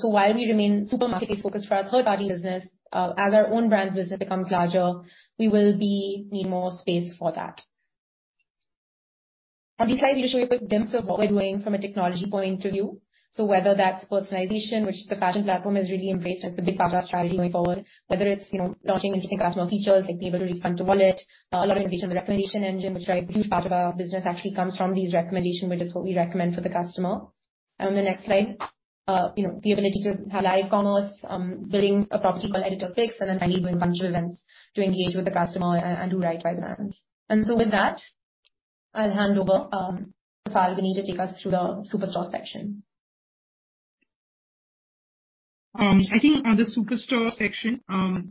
While we remain super marketplace focused for our third-party business, as our own brands business becomes larger, we will need more space for that. On this slide we can show you a quick glimpse of what we're doing from a technology point of view. Whether that's personalization, which the fashion platform has really embraced, that's a big part of our strategy going forward. Whether it's, you know, launching interesting customer features like be able to refund to wallet. A lot of innovation on the recommendation engine, which drives a huge part of our business, actually comes from these recommendation, which is what we recommend for the customer. On the next slide, you know, the ability to have live commerce, building a property called Editor's Picks, and then finally doing a bunch of events to engage with the customer and do right by the brands. With that, I'll hand over to Falguni to take us through the Superstore section. I think on the Superstore section,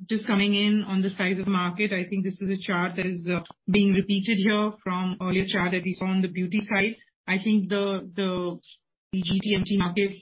just coming in on the size of market, I think this is a chart that is being repeated here from earlier chart that we saw on the beauty side. I think the GG&T market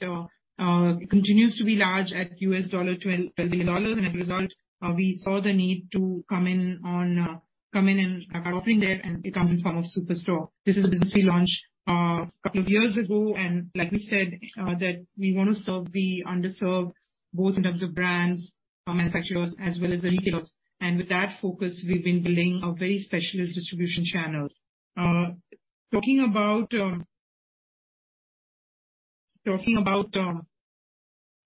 continues to be large at $12 billion. As a result, we saw the need to come in on, come in and have our offering there, and it comes in form of Superstore. This is a business we launched a couple of years ago, and like we said, that we want to serve the underserved, both in terms of brands, manufacturers, as well as the retailers. With that focus, we've been building a very specialist distribution channel. Talking about, speaking about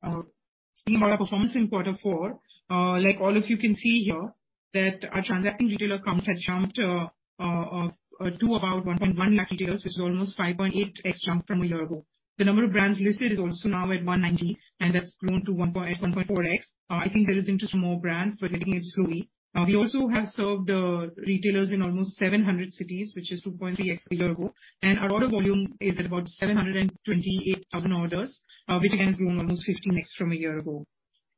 our performance in quarter four, like all of you can see here, that our transacting retailer count has jumped to about 1.1 lakh retailers, which is almost 5.8x jump from a year ago. The number of brands listed is also now at 190, and that's grown to 1.4x. I think there is interest from more brands, we're getting it slowly. We also have served retailers in almost 700 cities, which is 2.3x a year ago. Our order volume is at about 728,000 orders, which again has grown almost 15x from a year ago.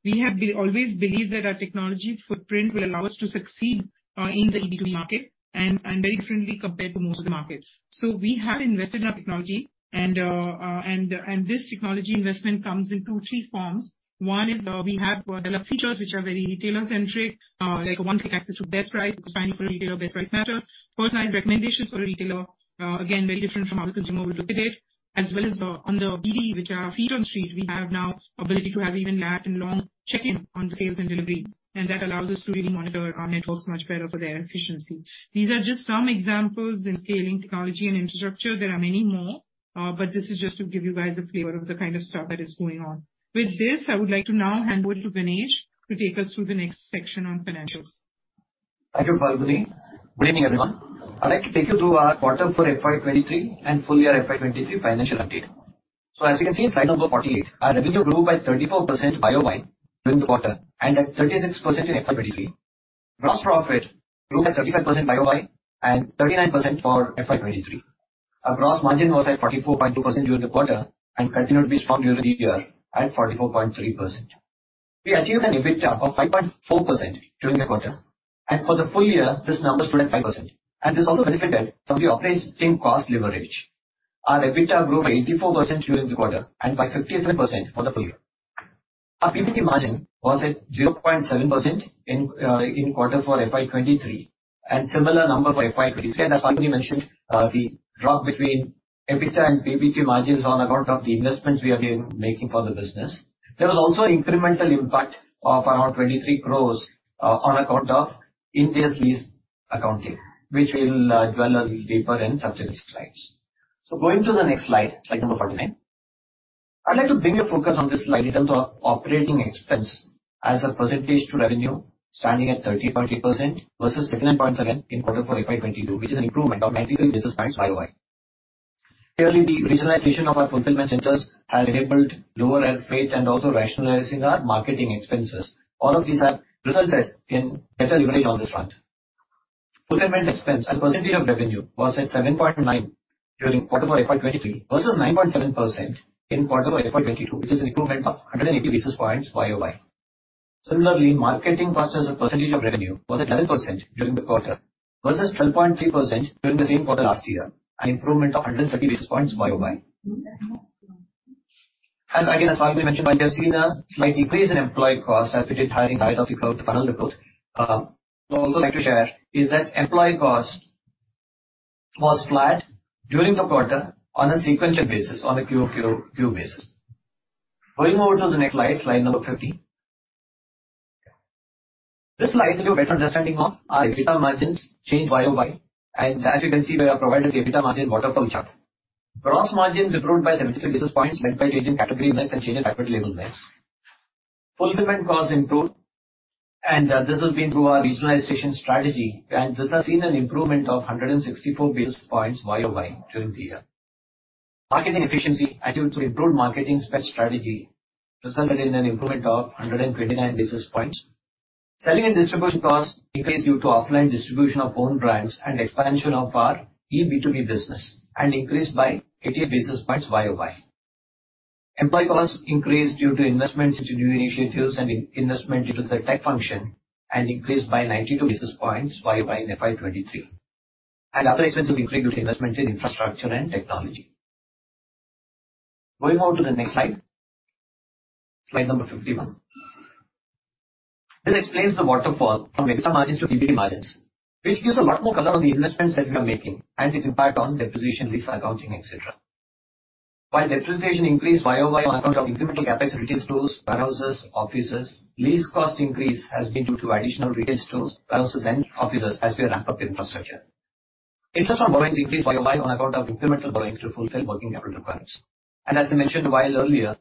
We have always believed that our technology footprint will allow us to succeed in the e-retail market and very differently compared to most of the markets. We have invested in our technology and this technology investment comes in 2, 3 forms. One is, we have developed features which are very retailer-centric, like one-click access to best price, because finally for a retailer, best price matters. Personalized recommendations for a retailer, again, very different from how the consumer will look at it. As well as on the BD, which are our feet on the street, we have now ability to have even lat and long check-in on sales and delivery, and that allows us to really monitor our networks much better for their efficiency. These are just some examples in scaling technology and infrastructure. There are many more, but this is just to give you guys a flavor of the kind of stuff that is going on. I would like to now hand over to Ganesh to take us through the next section on financials. Thank you, Falguni. Good evening, everyone. I'd like to take you through our quarter for FY 2023 and full year FY 2023 financial update. As you can see, slide number 48. Our revenue grew by 34% YOY during the quarter and at 36% in FY 2023. Gross profit grew at 35% YOY and 39% for FY 2023. Our gross margin was at 44.2% during the quarter and continued to be strong during the year at 44.3%. We achieved an EBITDA of 5.4% during the quarter, and for the full year this number stood at 5%, and this also benefited from the operating cost leverage. Our EBITDA grew by 84% during the quarter and by 57% for the full year. Our PBT margin was at 0.7% in quarter for FY23, similar number for FY23. As Falguni mentioned, the drop between EBITDA and PBT margins on account of the investments we have been making for the business. There was also incremental impact of around 23 crores on account of India's lease account here, which we'll dwell a little deeper in subsequent slides. Going to the next slide number 49. I'd like to bring your focus on this slide in terms of operating expense as a percentage to revenue standing at 30.8% versus 16.7% in quarter four FY22, which is an improvement of 93 basis points YOY. Clearly, the regionalization of our fulfillment centers has enabled lower air freight and also rationalizing our marketing expenses. All of these have resulted in better leverage on this front. Fulfillment expense as a percentage of revenue was at 7.9% during quarter four FY23 versus 9.7% in quarter four FY22, which is an improvement of 180 basis points YOY. marketing costs as a percentage of revenue was at 11% during the quarter versus 12.3% during the same quarter last year, an improvement of 130 basis points YOY. As Swati mentioned, while we have seen a slight increase in employee costs as we did hiring as I had referred to earlier. What I'd also like to share is that employee cost was flat during the quarter on a sequential basis, on a Q over Q basis. Going over to the next slide number 50. This slide will give you a better understanding of our EBITDA margins change YOY. As you can see, we have provided the EBITDA margin waterfall chart. Gross margins improved by 73 basis points led by change in category mix and change in factory label mix. Fulfillment costs improved, this has been through our regionalization strategy, and this has seen an improvement of 164 basis points YOY during the year. Marketing efficiency attributes to improved marketing spend strategy resulted in an improvement of 129 basis points. Selling and distribution costs increased due to offline distribution of own brands and expansion of our B2B business and increased by 80 basis points YOY. Employee costs increased due to investments into new initiatives and in-investment due to the tech function, and increased by 92 basis points YOY in FY 2023. Other expenses increased due to investment in infrastructure and technology. Going over to the next slide number 51. This explains the waterfall from EBITDA margins to PBT margins, which gives a lot more color on the investments that we are making and its impact on depreciation, lease accounting, et cetera. While depreciation increased YOY on account of incremental CapEx in retail stores, warehouses, offices, lease cost increase has been due to additional retail stores, warehouses and offices as we ramp up infrastructure. Interest on borrowings increased YOY on account of incremental borrowings to fulfill working capital requirements. As I mentioned a while earlier,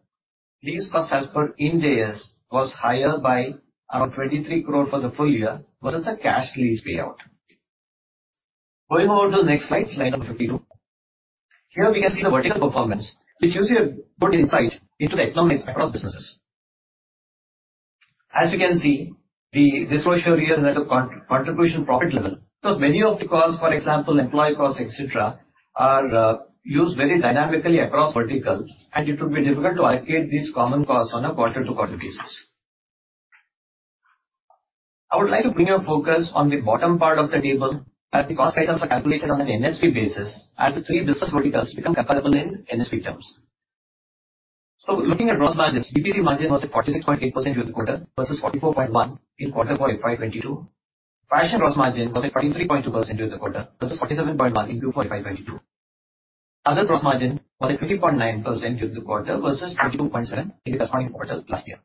lease costs as per Ind AS was higher by around 23 crore for the full year versus the cash lease payout. Going over to the next slide number 52. Here we can see the vertical performance, which gives you a good insight into the economics across businesses. As you can see, the disclosure here is at a contribution profit level. Many of the costs, for example, employee costs, et cetera, are used very dynamically across verticals, and it would be difficult to allocate these common costs on a quarter-to-quarter basis. I would like to bring your focus on the bottom part of the table as the cost items are calculated on an NSV basis as the three business verticals become comparable in NSV terms. Looking at gross margins, BPC margin was at 46.8% during the quarter versus 44.1% in Q4 FY22. Fashion gross margin was at 43.2% during the quarter versus 47.1% in Q4 FY22. Others gross margin was at 20.9% during the quarter versus 22.7% in the corresponding quarter last year.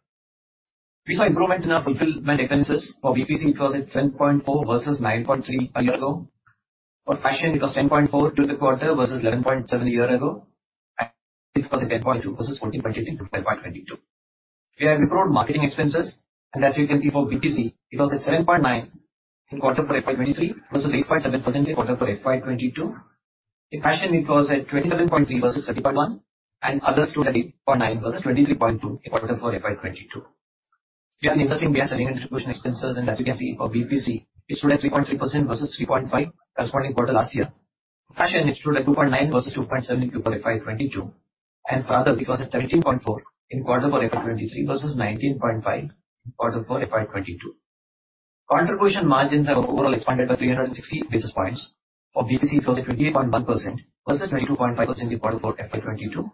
We saw improvement in our fulfillment expenses for BPC because it's 7.4% versus 9.3% a year ago. For fashion, it was 10.4% during the quarter versus 11.7% a year ago. It was at 10.2% versus 14.8% in FY22. We have improved marketing expenses, as you can see, for BPC it was at 7.9% in Q4 FY23 versus 8.7% in Q4 FY22. In fashion, it was at 27.3% versus 30.1%. Others stood at 8.9% versus 23.2% in Q4 FY22. We have an interesting way on selling and distribution expenses, as you can see, for BPC it stood at 3.3% versus 3.5% corresponding quarter last year. Fashion, it stood at 2.9% versus 2.7% in Q4 FY22. For others it was at 13.4 in Q4 FY 2023 versus 19.5 in Q4 FY 2022. Contribution margins have overall expanded by 360 basis points. For BPC, it was at 28.1% versus 22.5% in Q4 FY 2022.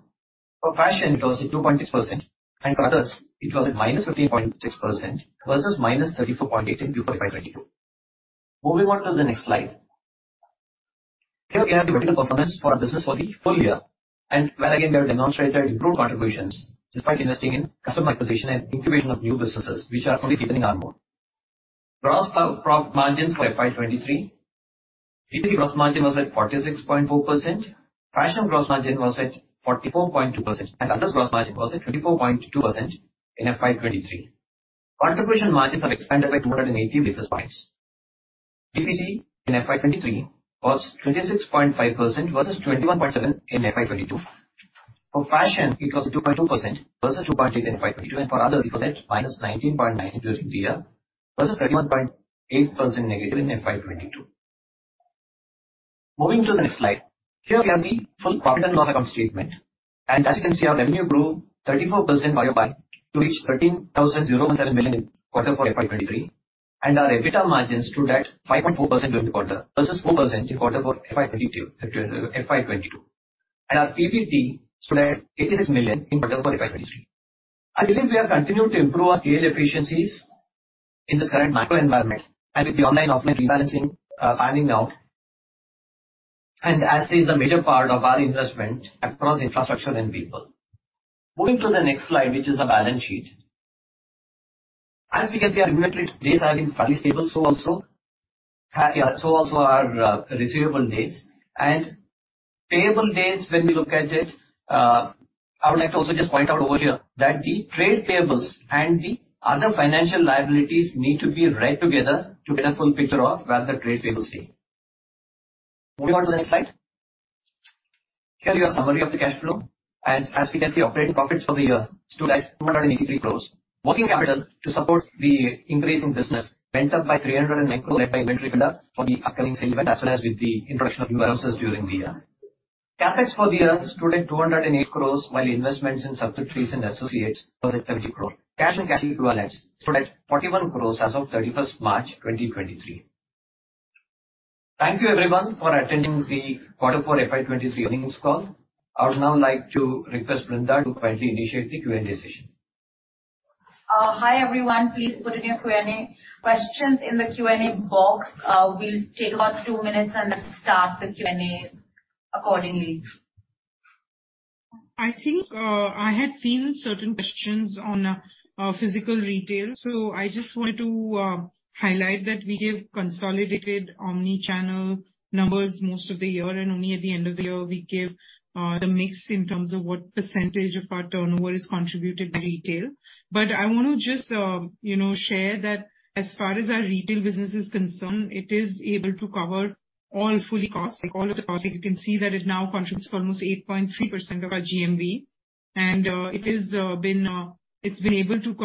For fashion, it was at 2.6%, and for others it was at -15.6% versus -34.8 in Q4 FY 2022. Moving on to the next slide. Here we have the vertical performance for our business for the full year. Where again, we have demonstrated improved contributions despite investing in customer acquisition and incubation of new businesses which are fully deepening our moat. Gross pro-margins for FY 2023. BPC gross margin was at 46.4%. Fashion gross margin was at 44.2%. Others gross margin was at 24.2% in FY 2023. Contribution margins have expanded by 280 basis points. BPC in FY 2023 was 26.5% versus 21.7% in FY 2022. For fashion, it was at 2.2% versus 2.8% in FY 2022. For others it was at -19.9% during the year versus -31.8% in FY 2022. Moving to the next slide. Here we have the full P&L account statement. As you can see, our revenue grew 34% YOY to reach 13,017 million in quarter four FY 2023. Our EBITDA margins stood at 5.4% during the quarter versus 4% in quarter four FY 2022. Our PBT stood at 86 million in Q4 FY23. I believe we have continued to improve our scale efficiencies in this current macro environment and with the online, offline rebalancing, panning out. As is a major part of our investment across infrastructure and people. Moving to the next slide, which is the balance sheet. As we can see, our inventory days have been fairly stable. Also our receivable days. Payable days, when we look at it, I would like to also just point out over here that the trade payables and the other financial liabilities need to be read together to get a full picture of where the trade payables stay. Moving on to the next slide. Here we have summary of the cash flow. As we can see, operating profits for the year stood at 283 crore. Working capital to support the increasing business went up by 309 crore, led by inventory build-up for the upcoming sale events as well as with the introduction of new warehouses during the year. CapEx for the year stood at 208 crore, while investments in subsidiaries and associates was at 70 crore. Cash and cash equivalents stood at 41 crore as of March 31, 2023. Thank you everyone for attending the Q4 FY23 earnings call. I would now like to request Brinda to kindly initiate the Q&A session. Hi everyone. Please put in your Q&A questions in the Q&A box. We'll take about two minutes and then start the Q&A accordingly. I think I had seen certain questions on physical retail. I just wanted to, you know, highlight that we give consolidated omni-channel numbers most of the year, and only at the end of the year we give the mix in terms of what % of our turnover is contributed by retail. I want to just, you know, share that as far as our retail business is concerned, it is able to cover all fully cost, like all of the costs. Like you can see that it now contributes for almost 8.3% of our GMV. It's been able to,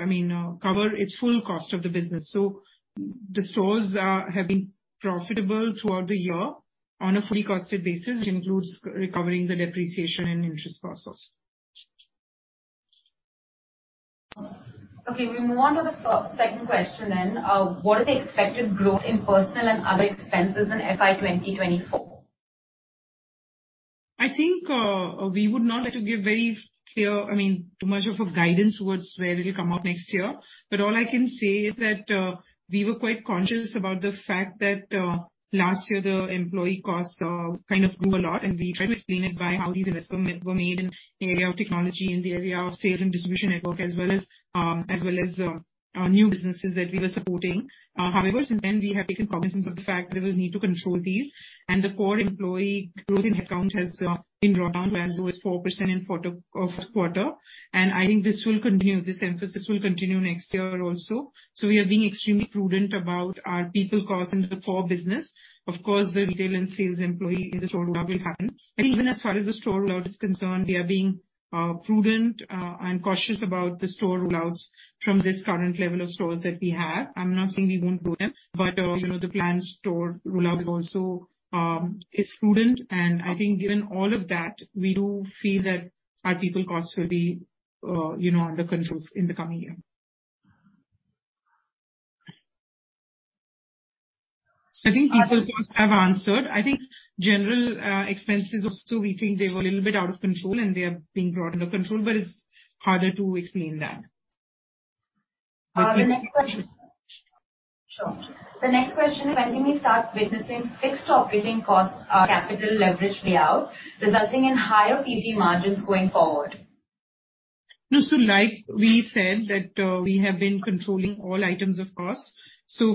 I mean, cover its full cost of the business. The stores have been profitable throughout the year on a fully costed basis, which includes recovering the depreciation and interest costs also. Okay, we move on to the second question then. What is the expected growth in personal and other expenses in FY 2024? I think, we would not like to give very clear, I mean, too much of a guidance towards where it'll come out next year. All I can say is that, we were quite conscious about the fact that, last year the employee costs, kind of grew a lot, and we tried to explain it by how these investments were made in the area of technology, in the area of sales and distribution network, as well as well as, our new businesses that we were supporting. However, since then we have taken cognizance of the fact there was need to control these. The core employee growth in headcount has been brought down to as low as 4% in fourth quarter. I think this will continue, this emphasis will continue next year also. We are being extremely prudent about our people costs in the core business. Of course, the retail and sales employee in the store roll-out will happen. Even as far as the store roll-out is concerned, we are being prudent and cautious about the store roll-outs from this current level of stores that we have. I'm not saying we won't do them, but, you know, the planned store roll-out is also prudent. I think given all of that, we do feel that our people costs will be, you know, under control in the coming year. I think people costs I've answered. I think general expenses also, we think they were a little bit out of control, and they are being brought under control, but it's harder to explain that. The next question. Sure. The next question is, when can we start witnessing fixed operating costs, capital leverage payout, resulting in higher P&L margins going forward? Like we said that, we have been controlling all items of costs.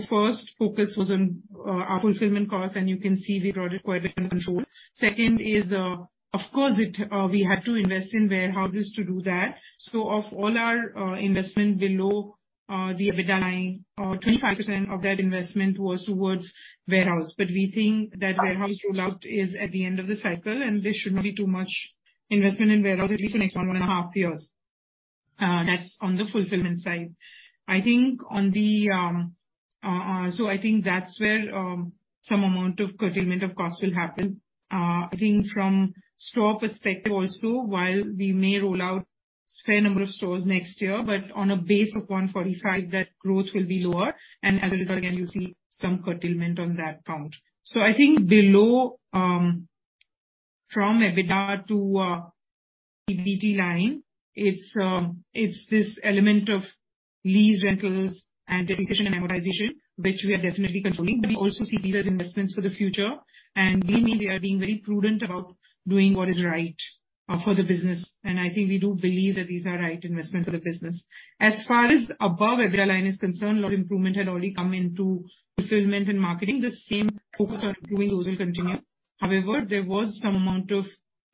First focus was on our fulfillment costs, and you can see we got it quite under control. Second is, of course it, we had to invest in warehouses to do that. Of all our investment below the EBITDA line, 25% of that investment was towards warehouse. We think that warehouse roll-out is at the end of the cycle, and there should not be too much investment in warehouse at least for next one and a half years. That's on the fulfillment side. I think on the, I think that's where some amount of curtailment of costs will happen. I think from store perspective also, while we may roll out fair number of stores next year, but on a base of 145, that growth will be lower and have a little, again, you see some curtailment on that count. I think below from EBITDA to PBT line, it's this element of lease rentals and depreciation and amortization, which we are definitely controlling. We also see these as investments for the future. We are being very prudent about doing what is right for the business. I think we do believe that these are right investments for the business. As far as above EBITDA line is concerned, a lot of improvement had already come into fulfillment and marketing. The same focus on improving those will continue. There was some amount of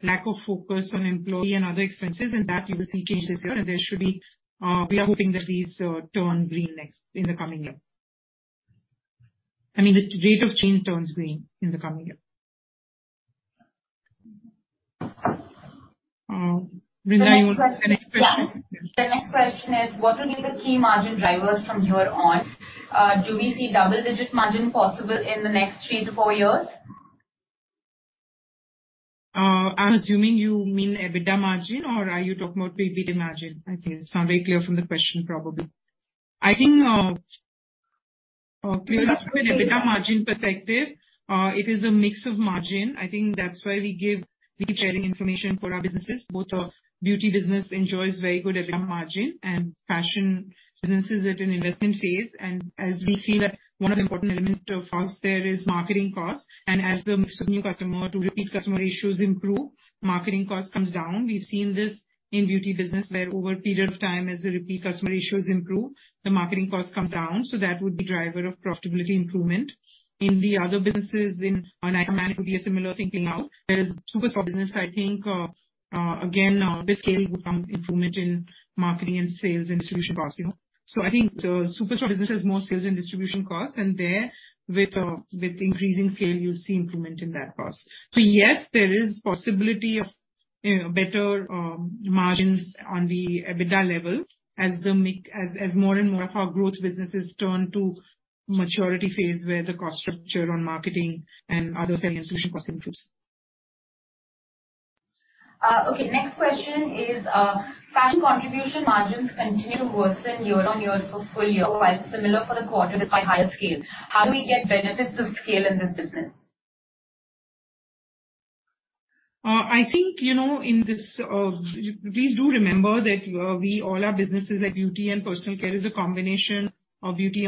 lack of focus on employee and other expenses and that you will see change this year and there should be, we are hoping that these, turn green next, in the coming year. I mean, the rate of change turns green in the coming year. Brinda, you want the next question? The next question is, what will be the key margin drivers from here on? Do we see double-digit margin possible in the next 3-4 years? I'm assuming you mean EBITDA margin, or are you talking about PBT margin? I think it's not very clear from the question, probably. Okay. From an EBITDA margin perspective, it is a mix of margin. I think that's why we give the sharing information for our businesses. Both our beauty business enjoys very good EBITDA margin and fashion business is at an investment phase. As we feel that one of the important element of cost there is marketing costs. As the mix of new customer to repeat customer ratios improve, marketing cost comes down. We've seen this in beauty business where over a period of time, as the repeat customer ratios improve, the marketing costs come down. That would be driver of profitability improvement. In the other businesses in, on Nykaa Man it would be a similar thinking out. There is Superstore business, I think, again, with scale will come improvement in marketing and sales and solution costs, you know. I think the Superstore business has more sales and distribution costs, and there with, increasing scale, you'll see improvement in that cost. Yes, there is possibility of, you know, better, margins on the EBITDA level as more and more of our growth businesses turn to maturity phase, where the cost structure on marketing and other selling and solution costs improves. Okay. Next question is, Fashion contribution margins continue to worsen year-on-year for full year, while similar for the quarter despite higher scale. How do we get benefits of scale in this business? I think you know in this, please do remember that, all our businesses like beauty and personal care is a combination of beauty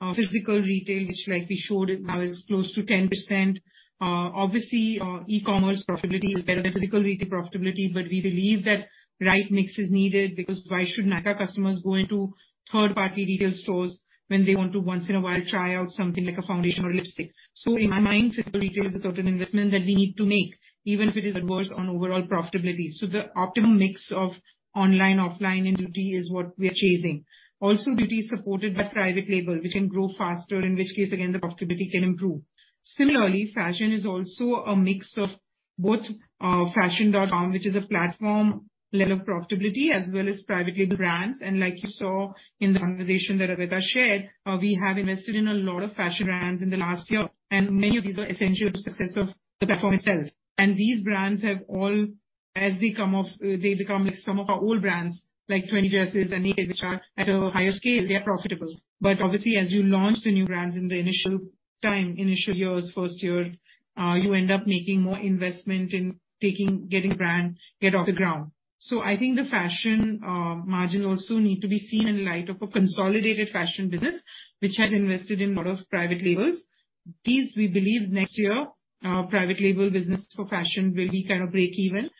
online, physical retail, which like we showed now is close to 10%. Obviously, e-commerce profitability is better than physical retail profitability, but we believe that right mix is needed because why should Nykaa customers go into third-party retail stores when they want to once in a while try out something like a foundation or lipstick? In my mind, physical retail is a certain investment that we need to make, even if it is adverse on overall profitability. The optimum mix of online, offline and beauty is what we are chasing. Beauty is supported by private label, which can grow faster, in which case again, the profitability can improve. Similarly, fashion is also a mix of both, Fashion.com, which is a platform level profitability as well as private label brands. Like you saw in the organization that Rebecca shared, we have invested in a lot of fashion brands in the last year, and many of these are essential to success of the platform itself. These brands have all, as they come of, they become like some of our old brands, like Twenty Dresses and Nykd, which are at a higher scale, they are profitable. Obviously, as you launch the new brands in the initial time, initial years, first year, you end up making more investment in taking, getting brand get off the ground. I think the fashion margin also need to be seen in light of a consolidated fashion business, which has invested in lot of private labels. These we believe next year, private label business for fashion will be kind of breakeven.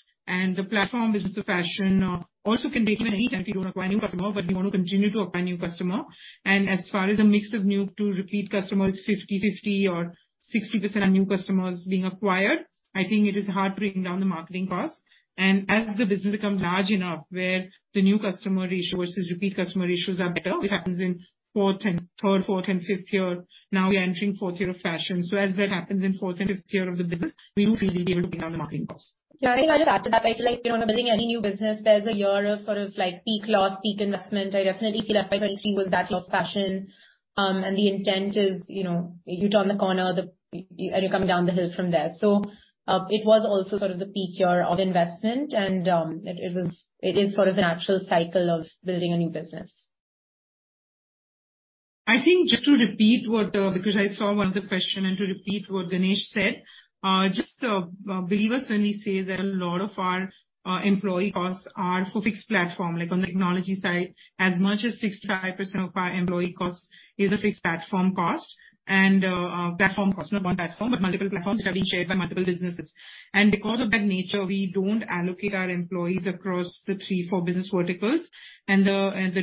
The platform business of fashion also can break even anytime if you don't acquire new customer, but we want to continue to acquire new customer. As far as the mix of new to repeat customers, 50/50 or 60% are new customers being acquired, I think it is hard to bring down the marketing cost. As the business becomes large enough, where the new customer ratio versus repeat customer ratios are better, which happens in third, fourth and fifth year. Now we are entering fourth year of fashion. As that happens in fourth and fifth year of the business, we do feel we'll be able to bring down the marketing costs. Yeah, I think just to add to that, I feel like, you know, building any new business, there's a year of sort of like peak loss, peak investment. I definitely feel FY 2023 was that year of fashion. The intent is, you know, you turn the corner, and you're coming down the hill from there. It was also sort of the peak year of investment and it is sort of the natural cycle of building a new business. I think just to repeat what because I saw one of the question and to repeat what Ganesh said, just believe us when we say that a lot of our employee costs are for fixed platform, like on the technology side. As much as 65% of our employee cost is a fixed platform cost and platform cost, not one platform, but multiple platforms that are being shared by multiple businesses. Because of that nature, we don't allocate our employees across the 3, 4 business verticals. There is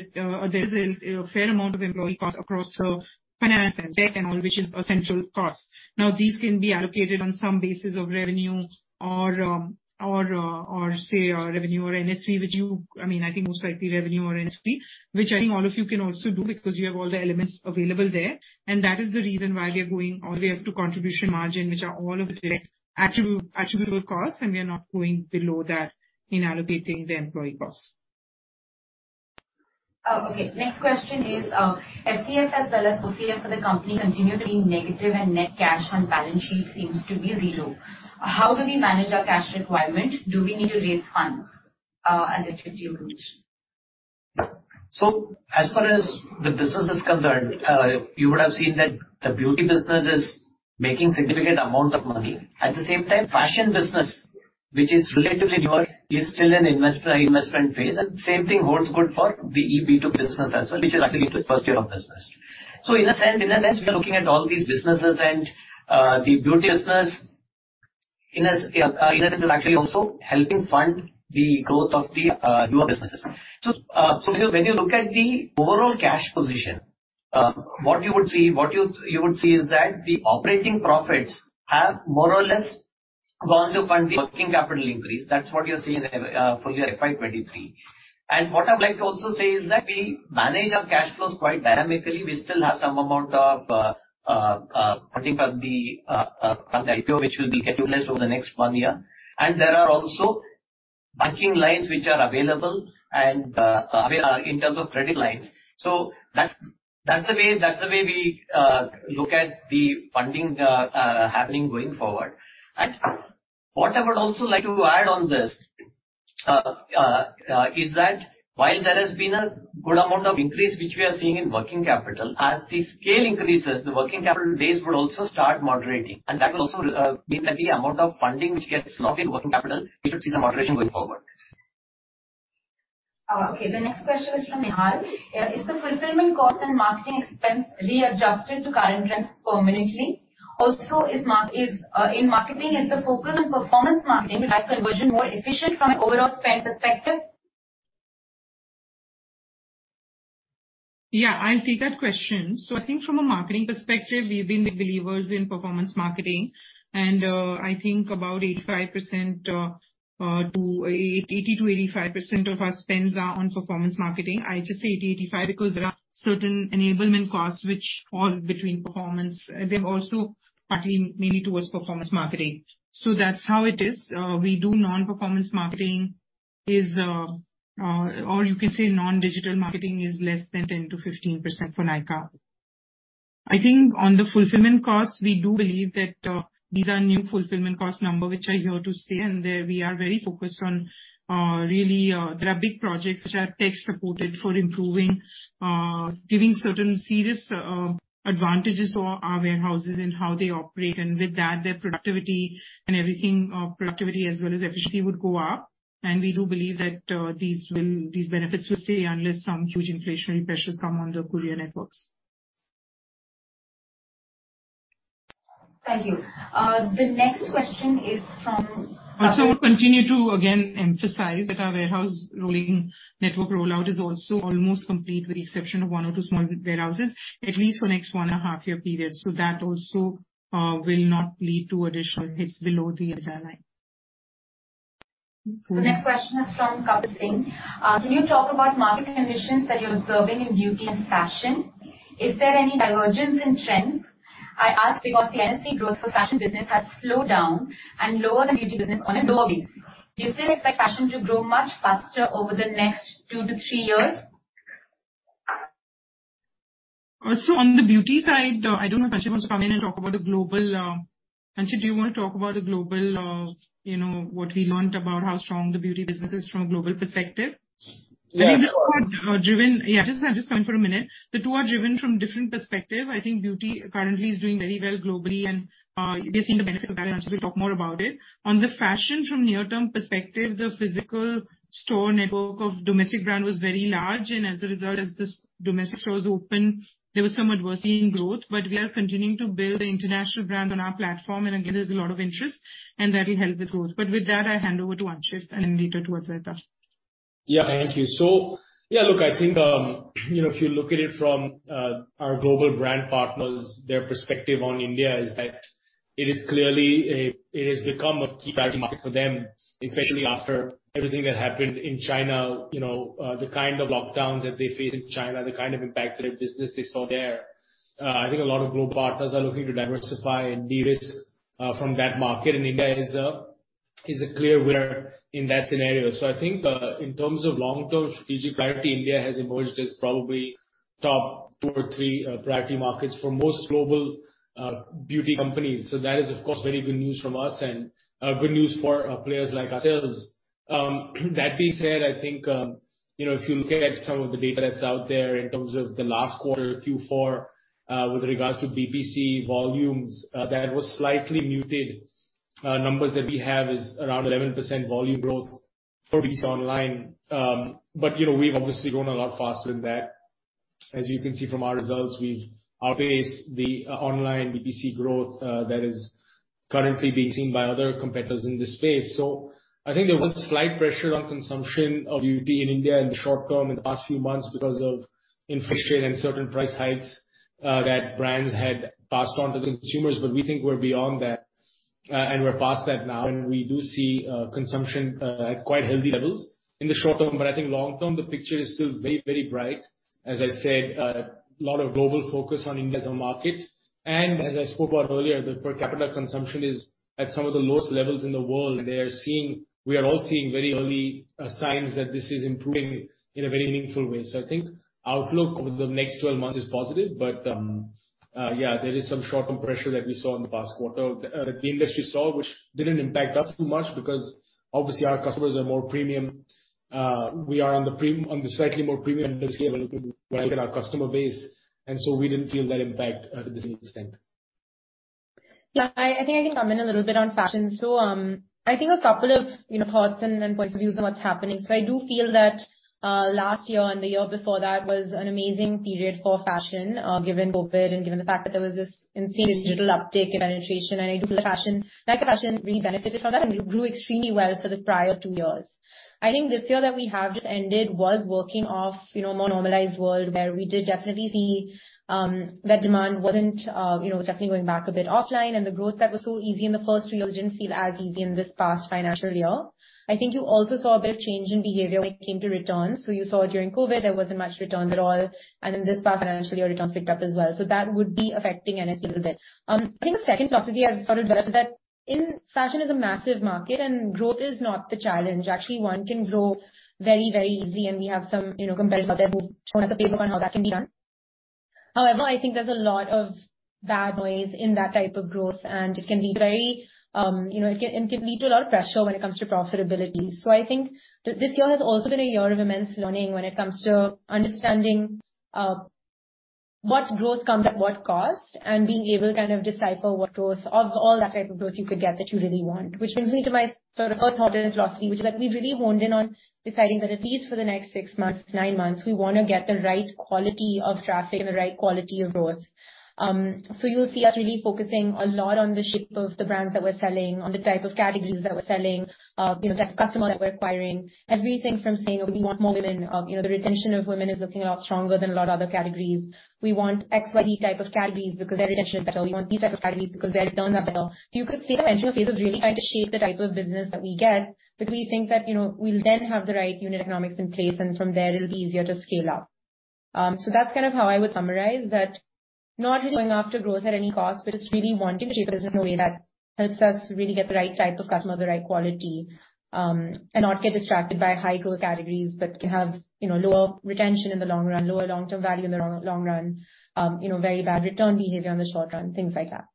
a, you know, fair amount of employee costs across the finance and tech and all, which is a central cost. Now these can be allocated on some basis of revenue or or or say revenue or NSV, which you... I mean, I think most likely revenue or NSV, which I think all of you can also do because you have all the elements available there. That is the reason why we are going all the way up to contribution margin, which are all of the direct attributable costs, and we are not going below that in allocating the employee costs. Okay. Next question is, FCF as well as OCF for the company continue to be negative and net cash on balance sheet seems to be zero. How do we manage our cash requirement? Do we need to raise funds, as a 52 group? As far as the business is concerned, you would have seen that the beauty business is making significant amount of money. At the same time, Nykaa Fashion business, which is relatively newer, is still in investment phase. Same thing holds good for the EB to B business as well, which is actually the first year of business. In a sense, we are looking at all these businesses and the beauty business in a sense is actually also helping fund the growth of the newer businesses. When you look at the overall cash position, what you would see is that the operating profits have more or less gone to fund the working capital increase. That's what you're seeing in full year FY 23. What I'd like to also say is that we manage our cash flows quite dynamically. We still have some amount of putting up the from the IPO, which will be utilized over the next one year. There are also banking lines which are available and in terms of credit lines. That's the way we look at the funding happening going forward. What I would also like to add on this. is that while there has been a good amount of increase which we are seeing in working capital, as the scale increases, the working capital base will also start moderating, and that will also mean that the amount of funding which gets locked in working capital, we should see some moderation going forward. Okay. The next question is from Mahal. Is the fulfillment cost and marketing expense readjusted to current trends permanently? Also, in marketing, is the focus on performance marketing like conversion more efficient from an overall spend perspective? I'll take that question. I think from a marketing perspective, we've been the believers in performance marketing and I think about 85% to 80-85% of our spends are on performance marketing. I just say 80, 85 because there are certain enablement costs which fall between performance. They're also partly maybe towards performance marketing. That's how it is. We do non-performance marketing is, or you can say non-digital marketing is less than 10-15% for Nykaa. I think on the fulfillment costs, we do believe that these are new fulfillment cost number which are here to stay, and there we are very focused on really. There are big projects which are tech supported for improving, giving certain serious advantages to our warehouses and how they operate. With that, their productivity and everything, productivity as well as efficiency would go up. We do believe that, these benefits will stay unless some huge inflationary pressures come on the courier networks. Thank you. The next question is from- We continue to again emphasize that our warehouse rolling network rollout is also almost complete, with the exception of one or two small warehouses, at least for next one and a half year period. That also will not lead to additional hits below the EBITDA line. The next question is from Kapil Singh. Can you talk about market conditions that you're observing in beauty and fashion? Is there any divergence in trends? I ask because the NSV growth for fashion business has slowed down and lower than beauty business on a dollar basis. Do you still expect fashion to grow much faster over the next two to three years? On the beauty side, I don't know if Anshul wants to come in and talk about the global. Anshul, do you wanna talk about the global, you know, what we learned about how strong the beauty business is from a global perspective? Yeah. I mean, these are both driven. Yeah, just come in for a minute. The two are driven from different perspective. I think beauty currently is doing very well globally, and we are seeing the benefits of that. Anchit Nayar will talk more about it. On the fashion from near-term perspective, the physical store network of domestic brand was very large, and as a result, as this domestic stores opened, there was some adversity in growth. We are continuing to build the international brand on our platform, and again, there's a lot of interest and that will help with growth. With that, I hand over to Anchit Nayar and then later towards Adwaita. Thank you. Look, I think, you know, if you look at it from our global brand partners, their perspective on India is that it has become a key priority market for them, especially after everything that happened in China. You know, the kind of lockdowns that they faced in China, the kind of impact to their business they saw there. I think a lot of global partners are looking to diversify and de-risk from that market, and India is a clear winner in that scenario. I think, in terms of long-term strategic priority, India has emerged as probably top 2 or 3 priority markets for most global beauty companies. That is, of course, very good news from us and good news for players like ourselves. That being said, I think, you know, if you look at some of the data that's out there in terms of the last quarter Q4, with regards to BPC volumes, that was slightly muted. Numbers that we have is around 11% volume growth for BPC online. But you know, we've obviously grown a lot faster than that. As you can see from our results, we've outpaced the online BPC growth that is currently being seen by other competitors in this space. I think there was a slight pressure on consumption of beauty in India in the short term in the past few months because of inflation and certain price hikes that brands had passed on to consumers. We think we're beyond that, and we're past that now, and we do see consumption at quite healthy levels in the short term. I think long term, the picture is still very, very bright. As I said, a lot of global focus on India as a market. As I spoke about earlier, the per capita consumption is at some of the lowest levels in the world, and we are all seeing very early signs that this is improving in a very meaningful way. I think outlook over the next 12 months is positive. Yeah, there is some short-term pressure that we saw in the past quarter, that the industry saw, which didn't impact us too much because obviously our customers are more premium. We are on the prem... on the slightly more premium scale when it comes to our customer base, and so we didn't feel that impact, to the same extent. Yeah. I think I can come in a little bit on fashion. I think a couple of, you know, thoughts and points of view on what's happening. I do feel that last year and the year before that was an amazing period for fashion, given COVID and given the fact that there was this insane digital uptick in penetration and I do feel that fashion, Nykaa Fashion really benefited from that and grew extremely well for the prior 2 years. I think this year that we have just ended was working off, you know, a more normalized world where we did definitely see that demand wasn't, you know, definitely going back a bit offline, and the growth that was so easy in the first 3 years didn't feel as easy in this past financial year. I think you also saw a bit of change in behavior when it came to returns. You also saw during COVID there wasn't much returns at all, and in this past financial year, returns picked up as well. That would be affecting NSV a little bit. I think the second philosophy I've sort of developed is that fashion is a massive market. Growth is not the challenge. Actually, one can grow very, very easy. We have some, you know, competitors out there who've shown us a playbook on how that can be done. I think there's a lot of bad noise in that type of growth. It can be very, you know, it can lead to a lot of pressure when it comes to profitability. I think this year has also been a year of immense learning when it comes to understanding what growth comes at what cost, and being able to kind of decipher what growth of all that type of growth you could get that you really want. Which brings me to my sort of first order of philosophy, which is that we've really honed in on deciding that at least for the next six months, nine months, we wanna get the right quality of traffic and the right quality of growth. You'll see us really focusing a lot on the shape of the brands that we're selling, on the type of categories that we're selling, you know, the type of customer that we're acquiring. Everything from saying that we want more women. You know, the retention of women is looking a lot stronger than a lot of other categories. We want X, Y, Z type of categories because their retention is better. We want these type of categories because their returns are better. You could say we're entering a phase of really trying to shape the type of business that we get, because we think that, you know, we'll then have the right unit economics in place, and from there it'll be easier to scale up. That's kind of how I would summarize, that not just going after growth at any cost, but just really wanting to shape business in a way that helps us really get the right type of customer, the right quality, and not get distracted by high growth categories, but can have lower retention in the long run, lower long-term value in the long, long run, very bad return behavior in the short run, things like that.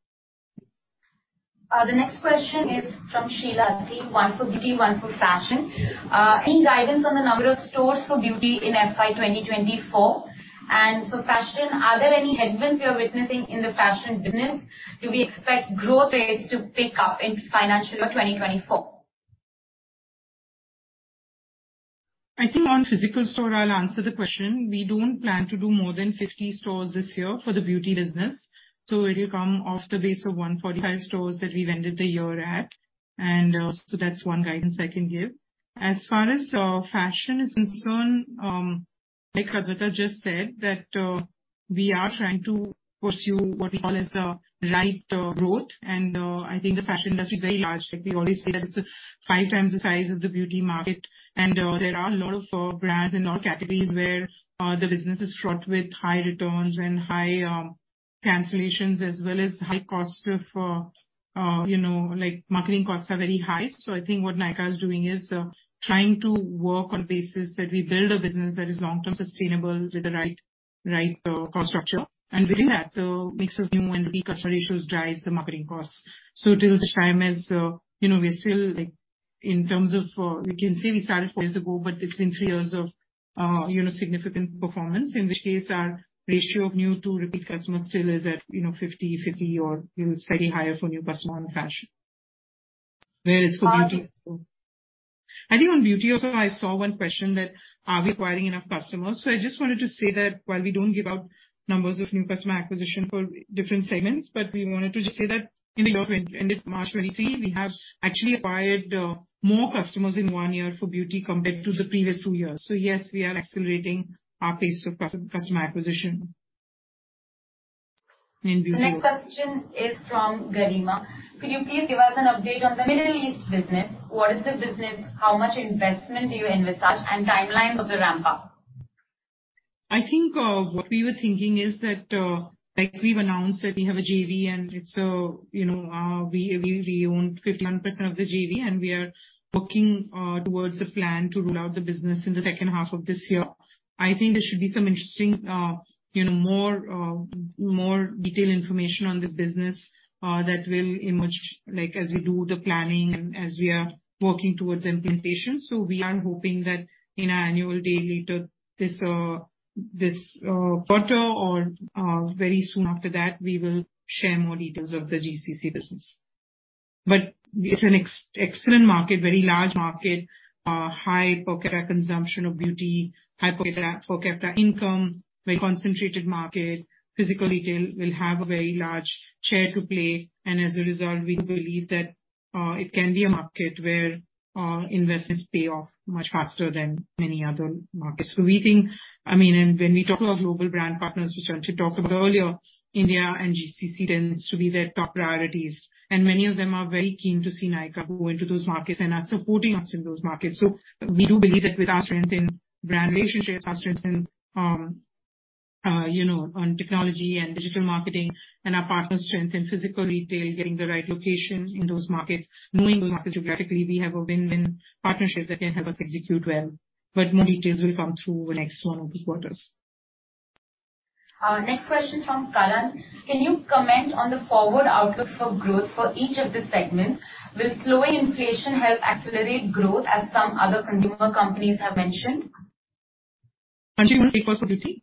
The next question is from Sheila. One for beauty, one for fashion. Any guidance on the number of stores for beauty in FY 2024? For fashion, are there any headwinds you're witnessing in the fashion business? Do we expect growth rates to pick up in financial year 2024? I think on physical store, I'll answer the question. We don't plan to do more than 50 stores this year for the beauty business. It will come off the base of 145 stores that we've ended the year at. That's one guidance I can give. As far as fashion is concerned, like Adwaita Nayar just said, that we are trying to pursue what we call as a right growth. I think the fashion industry is very large. Like, we always say that it's 5 times the size of the beauty market. There are a lot of brands in all categories where the business is fraught with high returns and high cancellations, as well as high costs of, you know... Like marketing costs are very high. I think what Nykaa is doing is trying to work on basis that we build a business that is long-term sustainable with the right cost structure. Within that, the mix of new and repeat customer ratios drives the marketing costs. Till such time as, you know, we're still, like, we can say we started 4 years ago, but it's been 3 years of, you know, significant performance, in which case our ratio of new to repeat customers still is at, you know, 50/50 or, you know, slightly higher for new customer in fashion. Where is for beauty? Um- I think on beauty also I saw 1 question that, are we acquiring enough customers? I just wanted to say that while we don't give out numbers of new customer acquisition for different segments, but we wanted to just say that in the year we ended March 2023, we have actually acquired, more customers in 1 year for beauty compared to the previous 2 years. Yes, we are accelerating our pace of customer acquisition in beauty. The next question is from Garima. Could you please give us an update on the Middle East business? What is the business? How much investment do you envisage, and timelines of the ramp up? I think, what we were thinking is that, like we've announced, that we have a JV and it's, you know, we own 51% of the JV and we are working towards a plan to roll out the business in the second half of this year. I think there should be some interesting, you know, more, more detailed information on this business that will emerge, like as we do the planning and as we are working towards implementation. We are hoping that in our annual day later this quarter or very soon after that, we will share more details of the GCC business. It's an excellent market, very large market, high per capita consumption of beauty, high per capita income, very concentrated market. Physical retail will have a very large share to play, and as a result, we do believe that it can be a market where investments pay off much faster than many other markets. I mean, when we talk about global brand partners, which Sanjeev talked about earlier, India and GCC tends to be their top priorities. Many of them are very keen to see Nykaa go into those markets and are supporting us in those markets. We do believe that with our strength in brand relationships, our strength in, you know, on technology and digital marketing and our partner strength in physical retail, getting the right location in those markets, knowing those markets geographically, we have a win-win partnership that can help us execute well. More details will come through next one of these quarters. Next question from Kalan. Can you comment on the forward outlook for growth for each of the segments? Will slowing inflation help accelerate growth as some other consumer companies have mentioned? Sanjeev, wanna take first for beauty?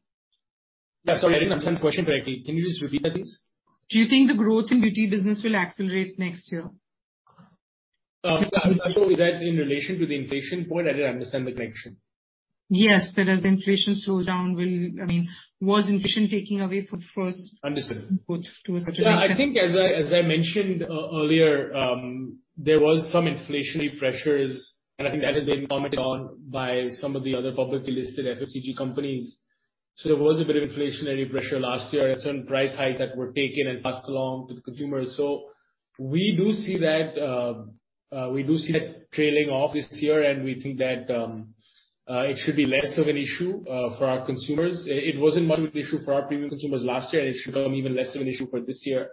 Yeah, sorry, I didn't understand the question correctly. Can you just repeat that, please? Do you think the growth in beauty business will accelerate next year? Is that in relation to the inflation point? I didn't understand the connection. Yes. That as inflation slows down, I mean, was inflation taking away footfalls? Understood. to a certain extent? Yeah, I think as I mentioned earlier, there was some inflationary pressures. I think that has been commented on by some of the other publicly listed FMCG companies. There was a bit of inflationary pressure last year and certain price hikes that were taken and passed along to the consumers. We do see that trailing off this year. We think that it should be less of an issue for our consumers. It wasn't much of an issue for our premium consumers last year, and it should become even less of an issue for this year.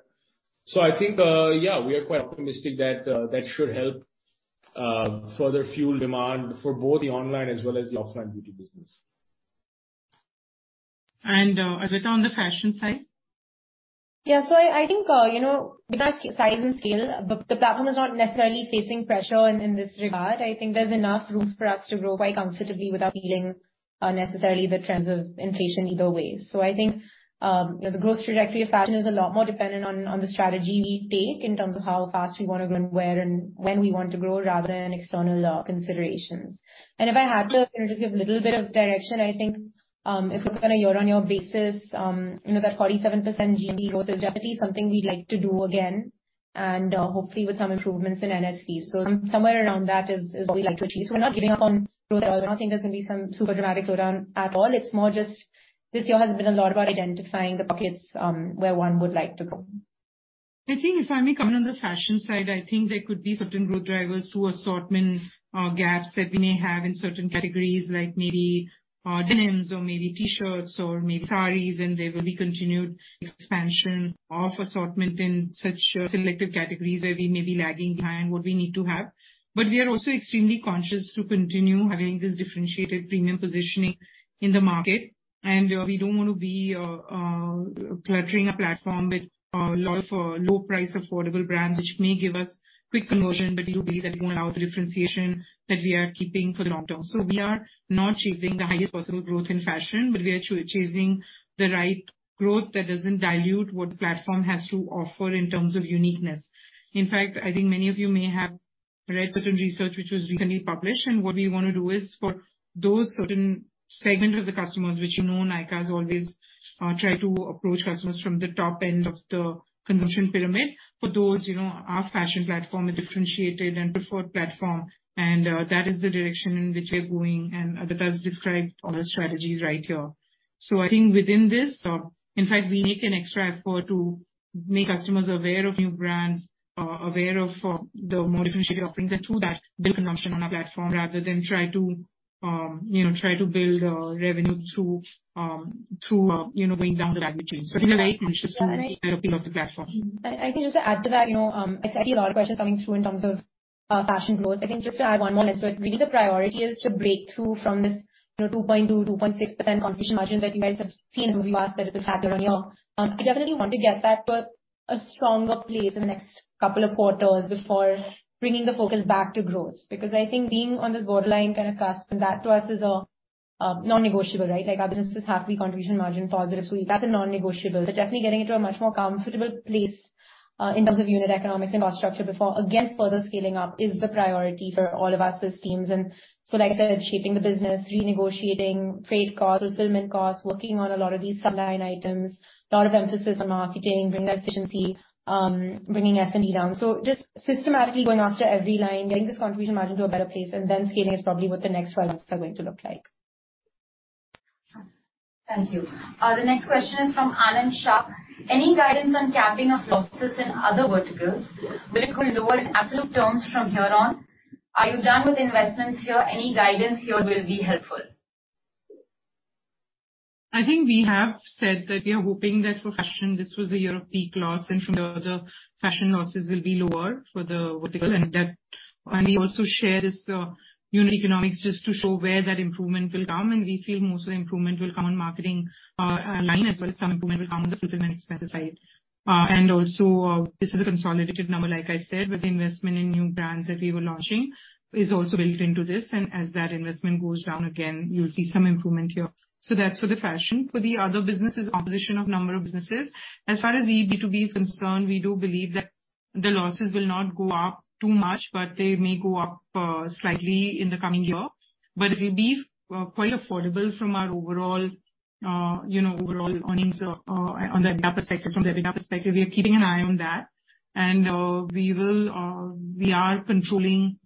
I think, yeah, we are quite optimistic that that should help. further fuel demand for both the online as well as the offline beauty business. Adwaita Nayar, on the fashion side. Yeah. I think, you know, with our size and scale, the platform is not necessarily facing pressure in this regard. I think there's enough room for us to grow quite comfortably without feeling necessarily the trends of inflation either way. I think, you know, the growth trajectory of fashion is a lot more dependent on the strategy we take in terms of how fast we wanna grow and where and when we want to grow, rather than external considerations. If I had to, you know, just give a little bit of direction, I think, if it's on a year-over-year basis, you know, that 47% GMV growth is definitely something we'd like to do again and hopefully with some improvements in NSV. Somewhere around that is what we'd like to achieve. We're not giving up on growth at all, but I don't think there's gonna be some super dramatic slowdown at all. It's more just this year has been a lot about identifying the pockets, where one would like to grow. I think if I may comment on the fashion side, I think there could be certain growth drivers through assortment, gaps that we may have in certain categories like maybe, denims or maybe T-shirts or maybe sarees, and there will be continued expansion of assortment in such selective categories where we may be lagging behind what we need to have. We are also extremely conscious to continue having this differentiated premium positioning in the market. We don't wanna be cluttering a platform with lot of low price affordable brands, which may give us quick conversion, but we believe that it won't allow the differentiation that we are keeping for the long term. We are not chasing the highest possible growth in fashion, but we are chasing the right growth that doesn't dilute what the platform has to offer in terms of uniqueness. In fact, I think many of you may have read certain research which was recently published, what we wanna do is for those certain segment of the customers which you know Nykaa has always tried to approach customers from the top end of the consumption pyramid. For those, you know, our fashion platform is differentiated and preferred platform, that is the direction in which we're going, Aditi has described all the strategies right here. I think within this, in fact, we make an extra effort to make customers aware of new brands, aware of, the more differentiated offerings and through that build consumption on our platform rather than try to, you know, try to build, revenue through, you know, going down the value chain. I think we're very conscious about the value appeal of the platform. I think just to add to that, you know, I see a lot of questions coming through in terms of fashion growth. Really the priority is to break through from this, you know, 2.2%-2.6% contribution margin that you guys have seen in the past that it was at year-over-year. I definitely want to get that to a stronger place in the next couple of quarters before bringing the focus back to growth. I think being on this borderline kind of cusp, that to us is a non-negotiable, right? Our businesses have to be contribution margin positive. That's a non-negotiable. Definitely getting into a much more comfortable place in terms of unit economics and cost structure before, again, further scaling up is the priority for all of us as teams. Like I said, shaping the business, renegotiating freight costs, fulfillment costs, working on a lot of these sideline items, lot of emphasis on marketing, bringing that efficiency, bringing S&P down. Just systematically going after every line, getting this contribution margin to a better place, and then scaling is probably what the next 12 months are going to look like. Thank you. The next question is from Anand Shah. Any guidance on capping of losses in other verticals? Will it go lower in absolute terms from here on? Are you done with investments here? Any guidance here will be helpful. I think we have said that we are hoping that for fashion this was a year of peak loss and from there the fashion losses will be lower for the vertical. We also shared this unit economics just to show where that improvement will come. We feel most of the improvement will come on marketing line as well as some improvement will come on the fulfillment expense side. This is a consolidated number, like I said, with the investment in new brands that we were launching is also built into this. As that investment goes down again, you'll see some improvement here. That's for the fashion. For the other businesses, opposition of number of businesses. As far as the B2B is concerned, we do believe that the losses will not go up too much, but they may go up slightly in the coming year. It will be quite affordable from our overall, you know, overall earnings on the EBITDA perspective. From the EBITDA perspective, we are keeping an eye on that. We are controlling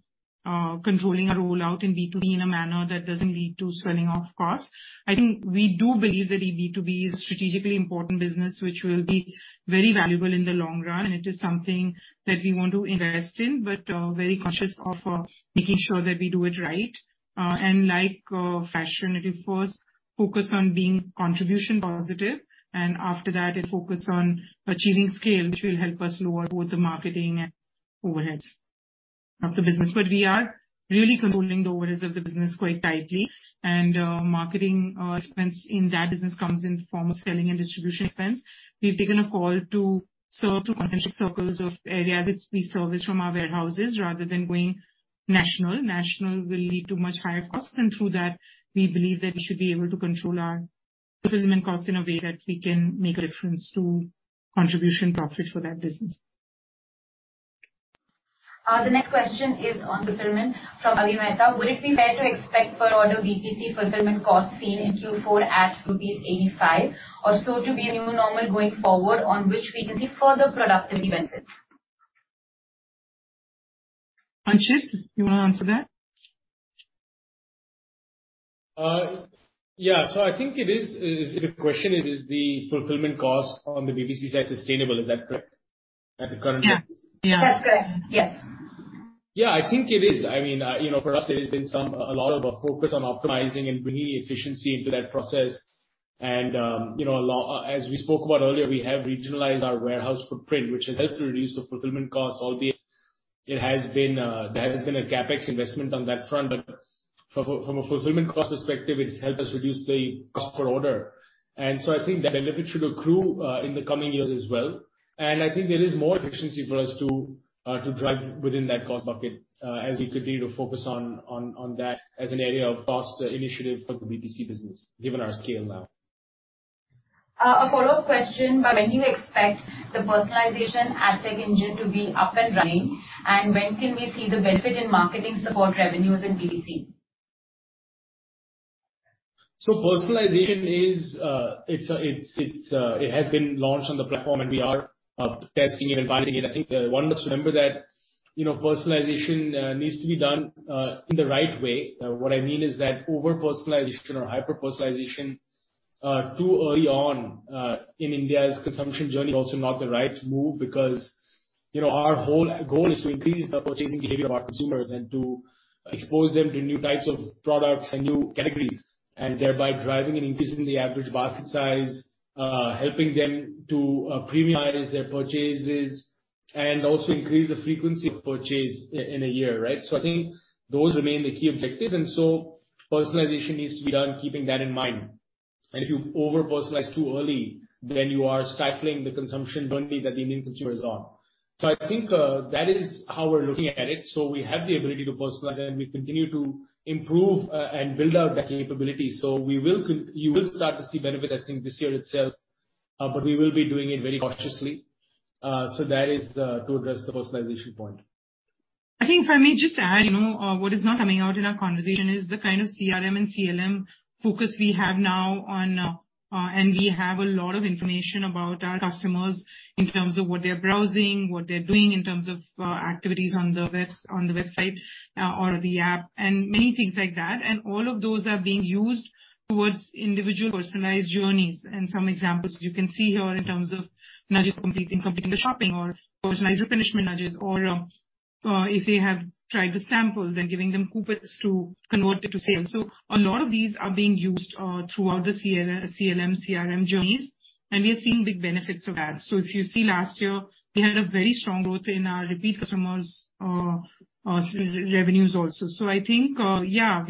our rollout in B2B in a manner that doesn't lead to swelling of costs. I think we do believe that the B2B is strategically important business, which will be very valuable in the long run, and it is something that we want to invest in, but very conscious of making sure that we do it right. Like fashion, it will first focus on being contribution positive, and after that it'll focus on achieving scale, which will help us lower both the marketing and overheads of the business. We are really controlling the overheads of the business quite tightly. Marketing expense in that business comes in the form of selling and distribution expense. We've taken a call to serve two concentric circles of areas that we service from our warehouses rather than going national. National will lead to much higher costs, and through that, we believe that we should be able to control our fulfillment costs in a way that we can make a difference to contribution profit for that business. The next question is on fulfillment from Ravi Mehta. Would it be fair to expect per order BTC fulfillment costs seen in Q4 at rupees 85 or so to be a new normal going forward on which we can see further productivity benefits? Panchit, you wanna answer that? Yeah. I think the question is the fulfillment cost on the BTC side sustainable? Is that correct at the current rates? Yeah. That's correct. Yes. Yeah, I think it is. I mean, you know, for us there has been A lot of a focus on optimizing and bringing efficiency into that process. You know, as we spoke about earlier, we have regionalized our warehouse footprint, which has helped to reduce the fulfillment costs. Albeit it has been, there has been a CapEx investment on that front. From a fulfillment cost perspective, it's helped us reduce the cost per order. I think the benefit should accrue in the coming years as well. I think there is more efficiency for us to drive within that cost bucket as we continue to focus on that as an area of cost initiative for the B2C business given our scale now. A follow-up question. When you expect the personalization ad tech engine to be up and running, and when can we see the benefit in marketing support revenues in B2C? Personalization is it has been launched on the platform and we are testing it and validating it. I think one must remember that, you know, personalization needs to be done in the right way. What I mean is that over-personalization or hyper-personalization too early on in India's consumption journey is also not the right move. You know, our whole goal is to increase the purchasing behavior of our consumers and to expose them to new types of products and new categories, and thereby driving an increase in the average basket size, helping them to premiumize their purchases and also increase the frequency of purchase in a year, right? I think those remain the key objectives, and so personalization needs to be done keeping that in mind. If you over-personalize too early, then you are stifling the consumption journey that the Indian consumer is on. I think that is how we're looking at it. We have the ability to personalize, and we continue to improve and build out that capability. You will start to see benefits I think this year itself, but we will be doing it very cautiously. That is to address the personalization point. I think if I may just add, you know, what is not coming out in our conversation is the kind of CRM and CLM focus we have now on, and we have a lot of information about our customers in terms of what they're browsing, what they're doing in terms of activities on the website or the app, and many things like that. All of those are being used towards individual personalized journeys. Some examples you can see here in terms of nudges completing the shopping or personalized replenishment nudges. Or, if they have tried the sample, then giving them coupons to convert it to sale. A lot of these are being used throughout the CLM, CRM journeys, and we are seeing big benefits of that. If you see last year, we had a very strong growth in our repeat customers, revenues also. I think, yeah,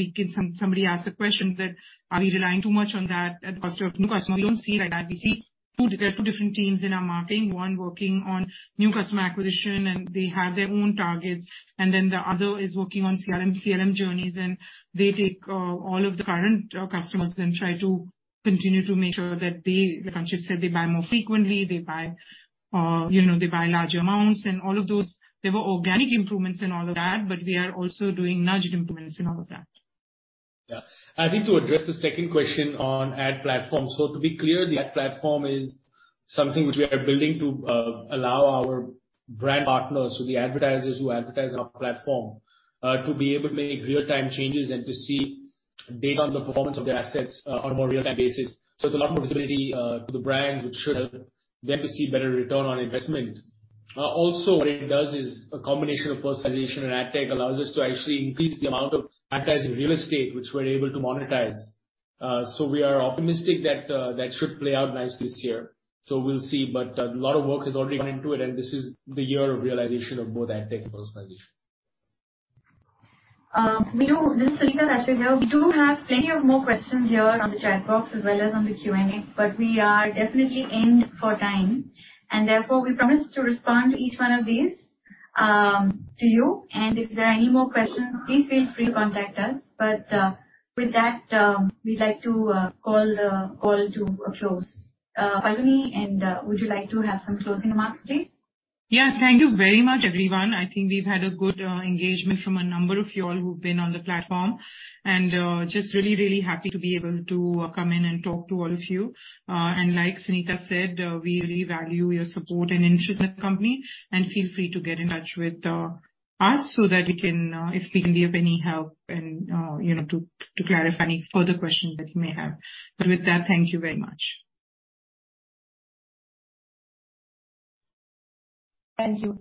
somebody asked a question that are we relying too much on that at the cost of new customer? We don't see it like that. We see two different teams in our marketing, one working on new customer acquisition, and they have their own targets, and then the other is working on CRM, CLM journeys and they take all of the current customers and try to continue to make sure that they, like Harsh said, they buy more frequently, they buy, you know, they buy larger amounts and all of those. There were organic improvements in all of that, but we are also doing Nudge improvements in all of that. Yeah. I think to address the second question on ad platform. To be clear, the ad platform is something which we are building to allow our brand partners, so the advertisers who advertise on our platform, to be able to make real-time changes and to see data on the performance of their assets on a more real-time basis. It's a lot more visibility to the brands which should help them to see better return on investment. Also what it does is a combination of personalization and ad tech allows us to actually increase the amount of advertising real estate which we're able to monetize. We are optimistic that that should play out nice this year. We'll see. A lot of work has already gone into it, and this is the year of realization of both ad tech and personalization. This is Sunita Sachdev here. We do have plenty of more questions here on the chat box as well as on the Q&A, but we are definitely end for time, and therefore we promise to respond to each one of these to you. If there are any more questions, please feel free to contact us. With that, we'd like to call the call to a close. Falguni Nayar, would you like to have some closing remarks, please? Yeah. Thank you very much, everyone. I think we've had a good engagement from a number of you all who've been on the platform, and just really, really happy to be able to come in and talk to all of you. Like Sunita said, we really value your support and interest in the company, and feel free to get in touch with us so that we can, if we can be of any help and, you know, to clarify any further questions that you may have. With that, thank you very much. Thank you.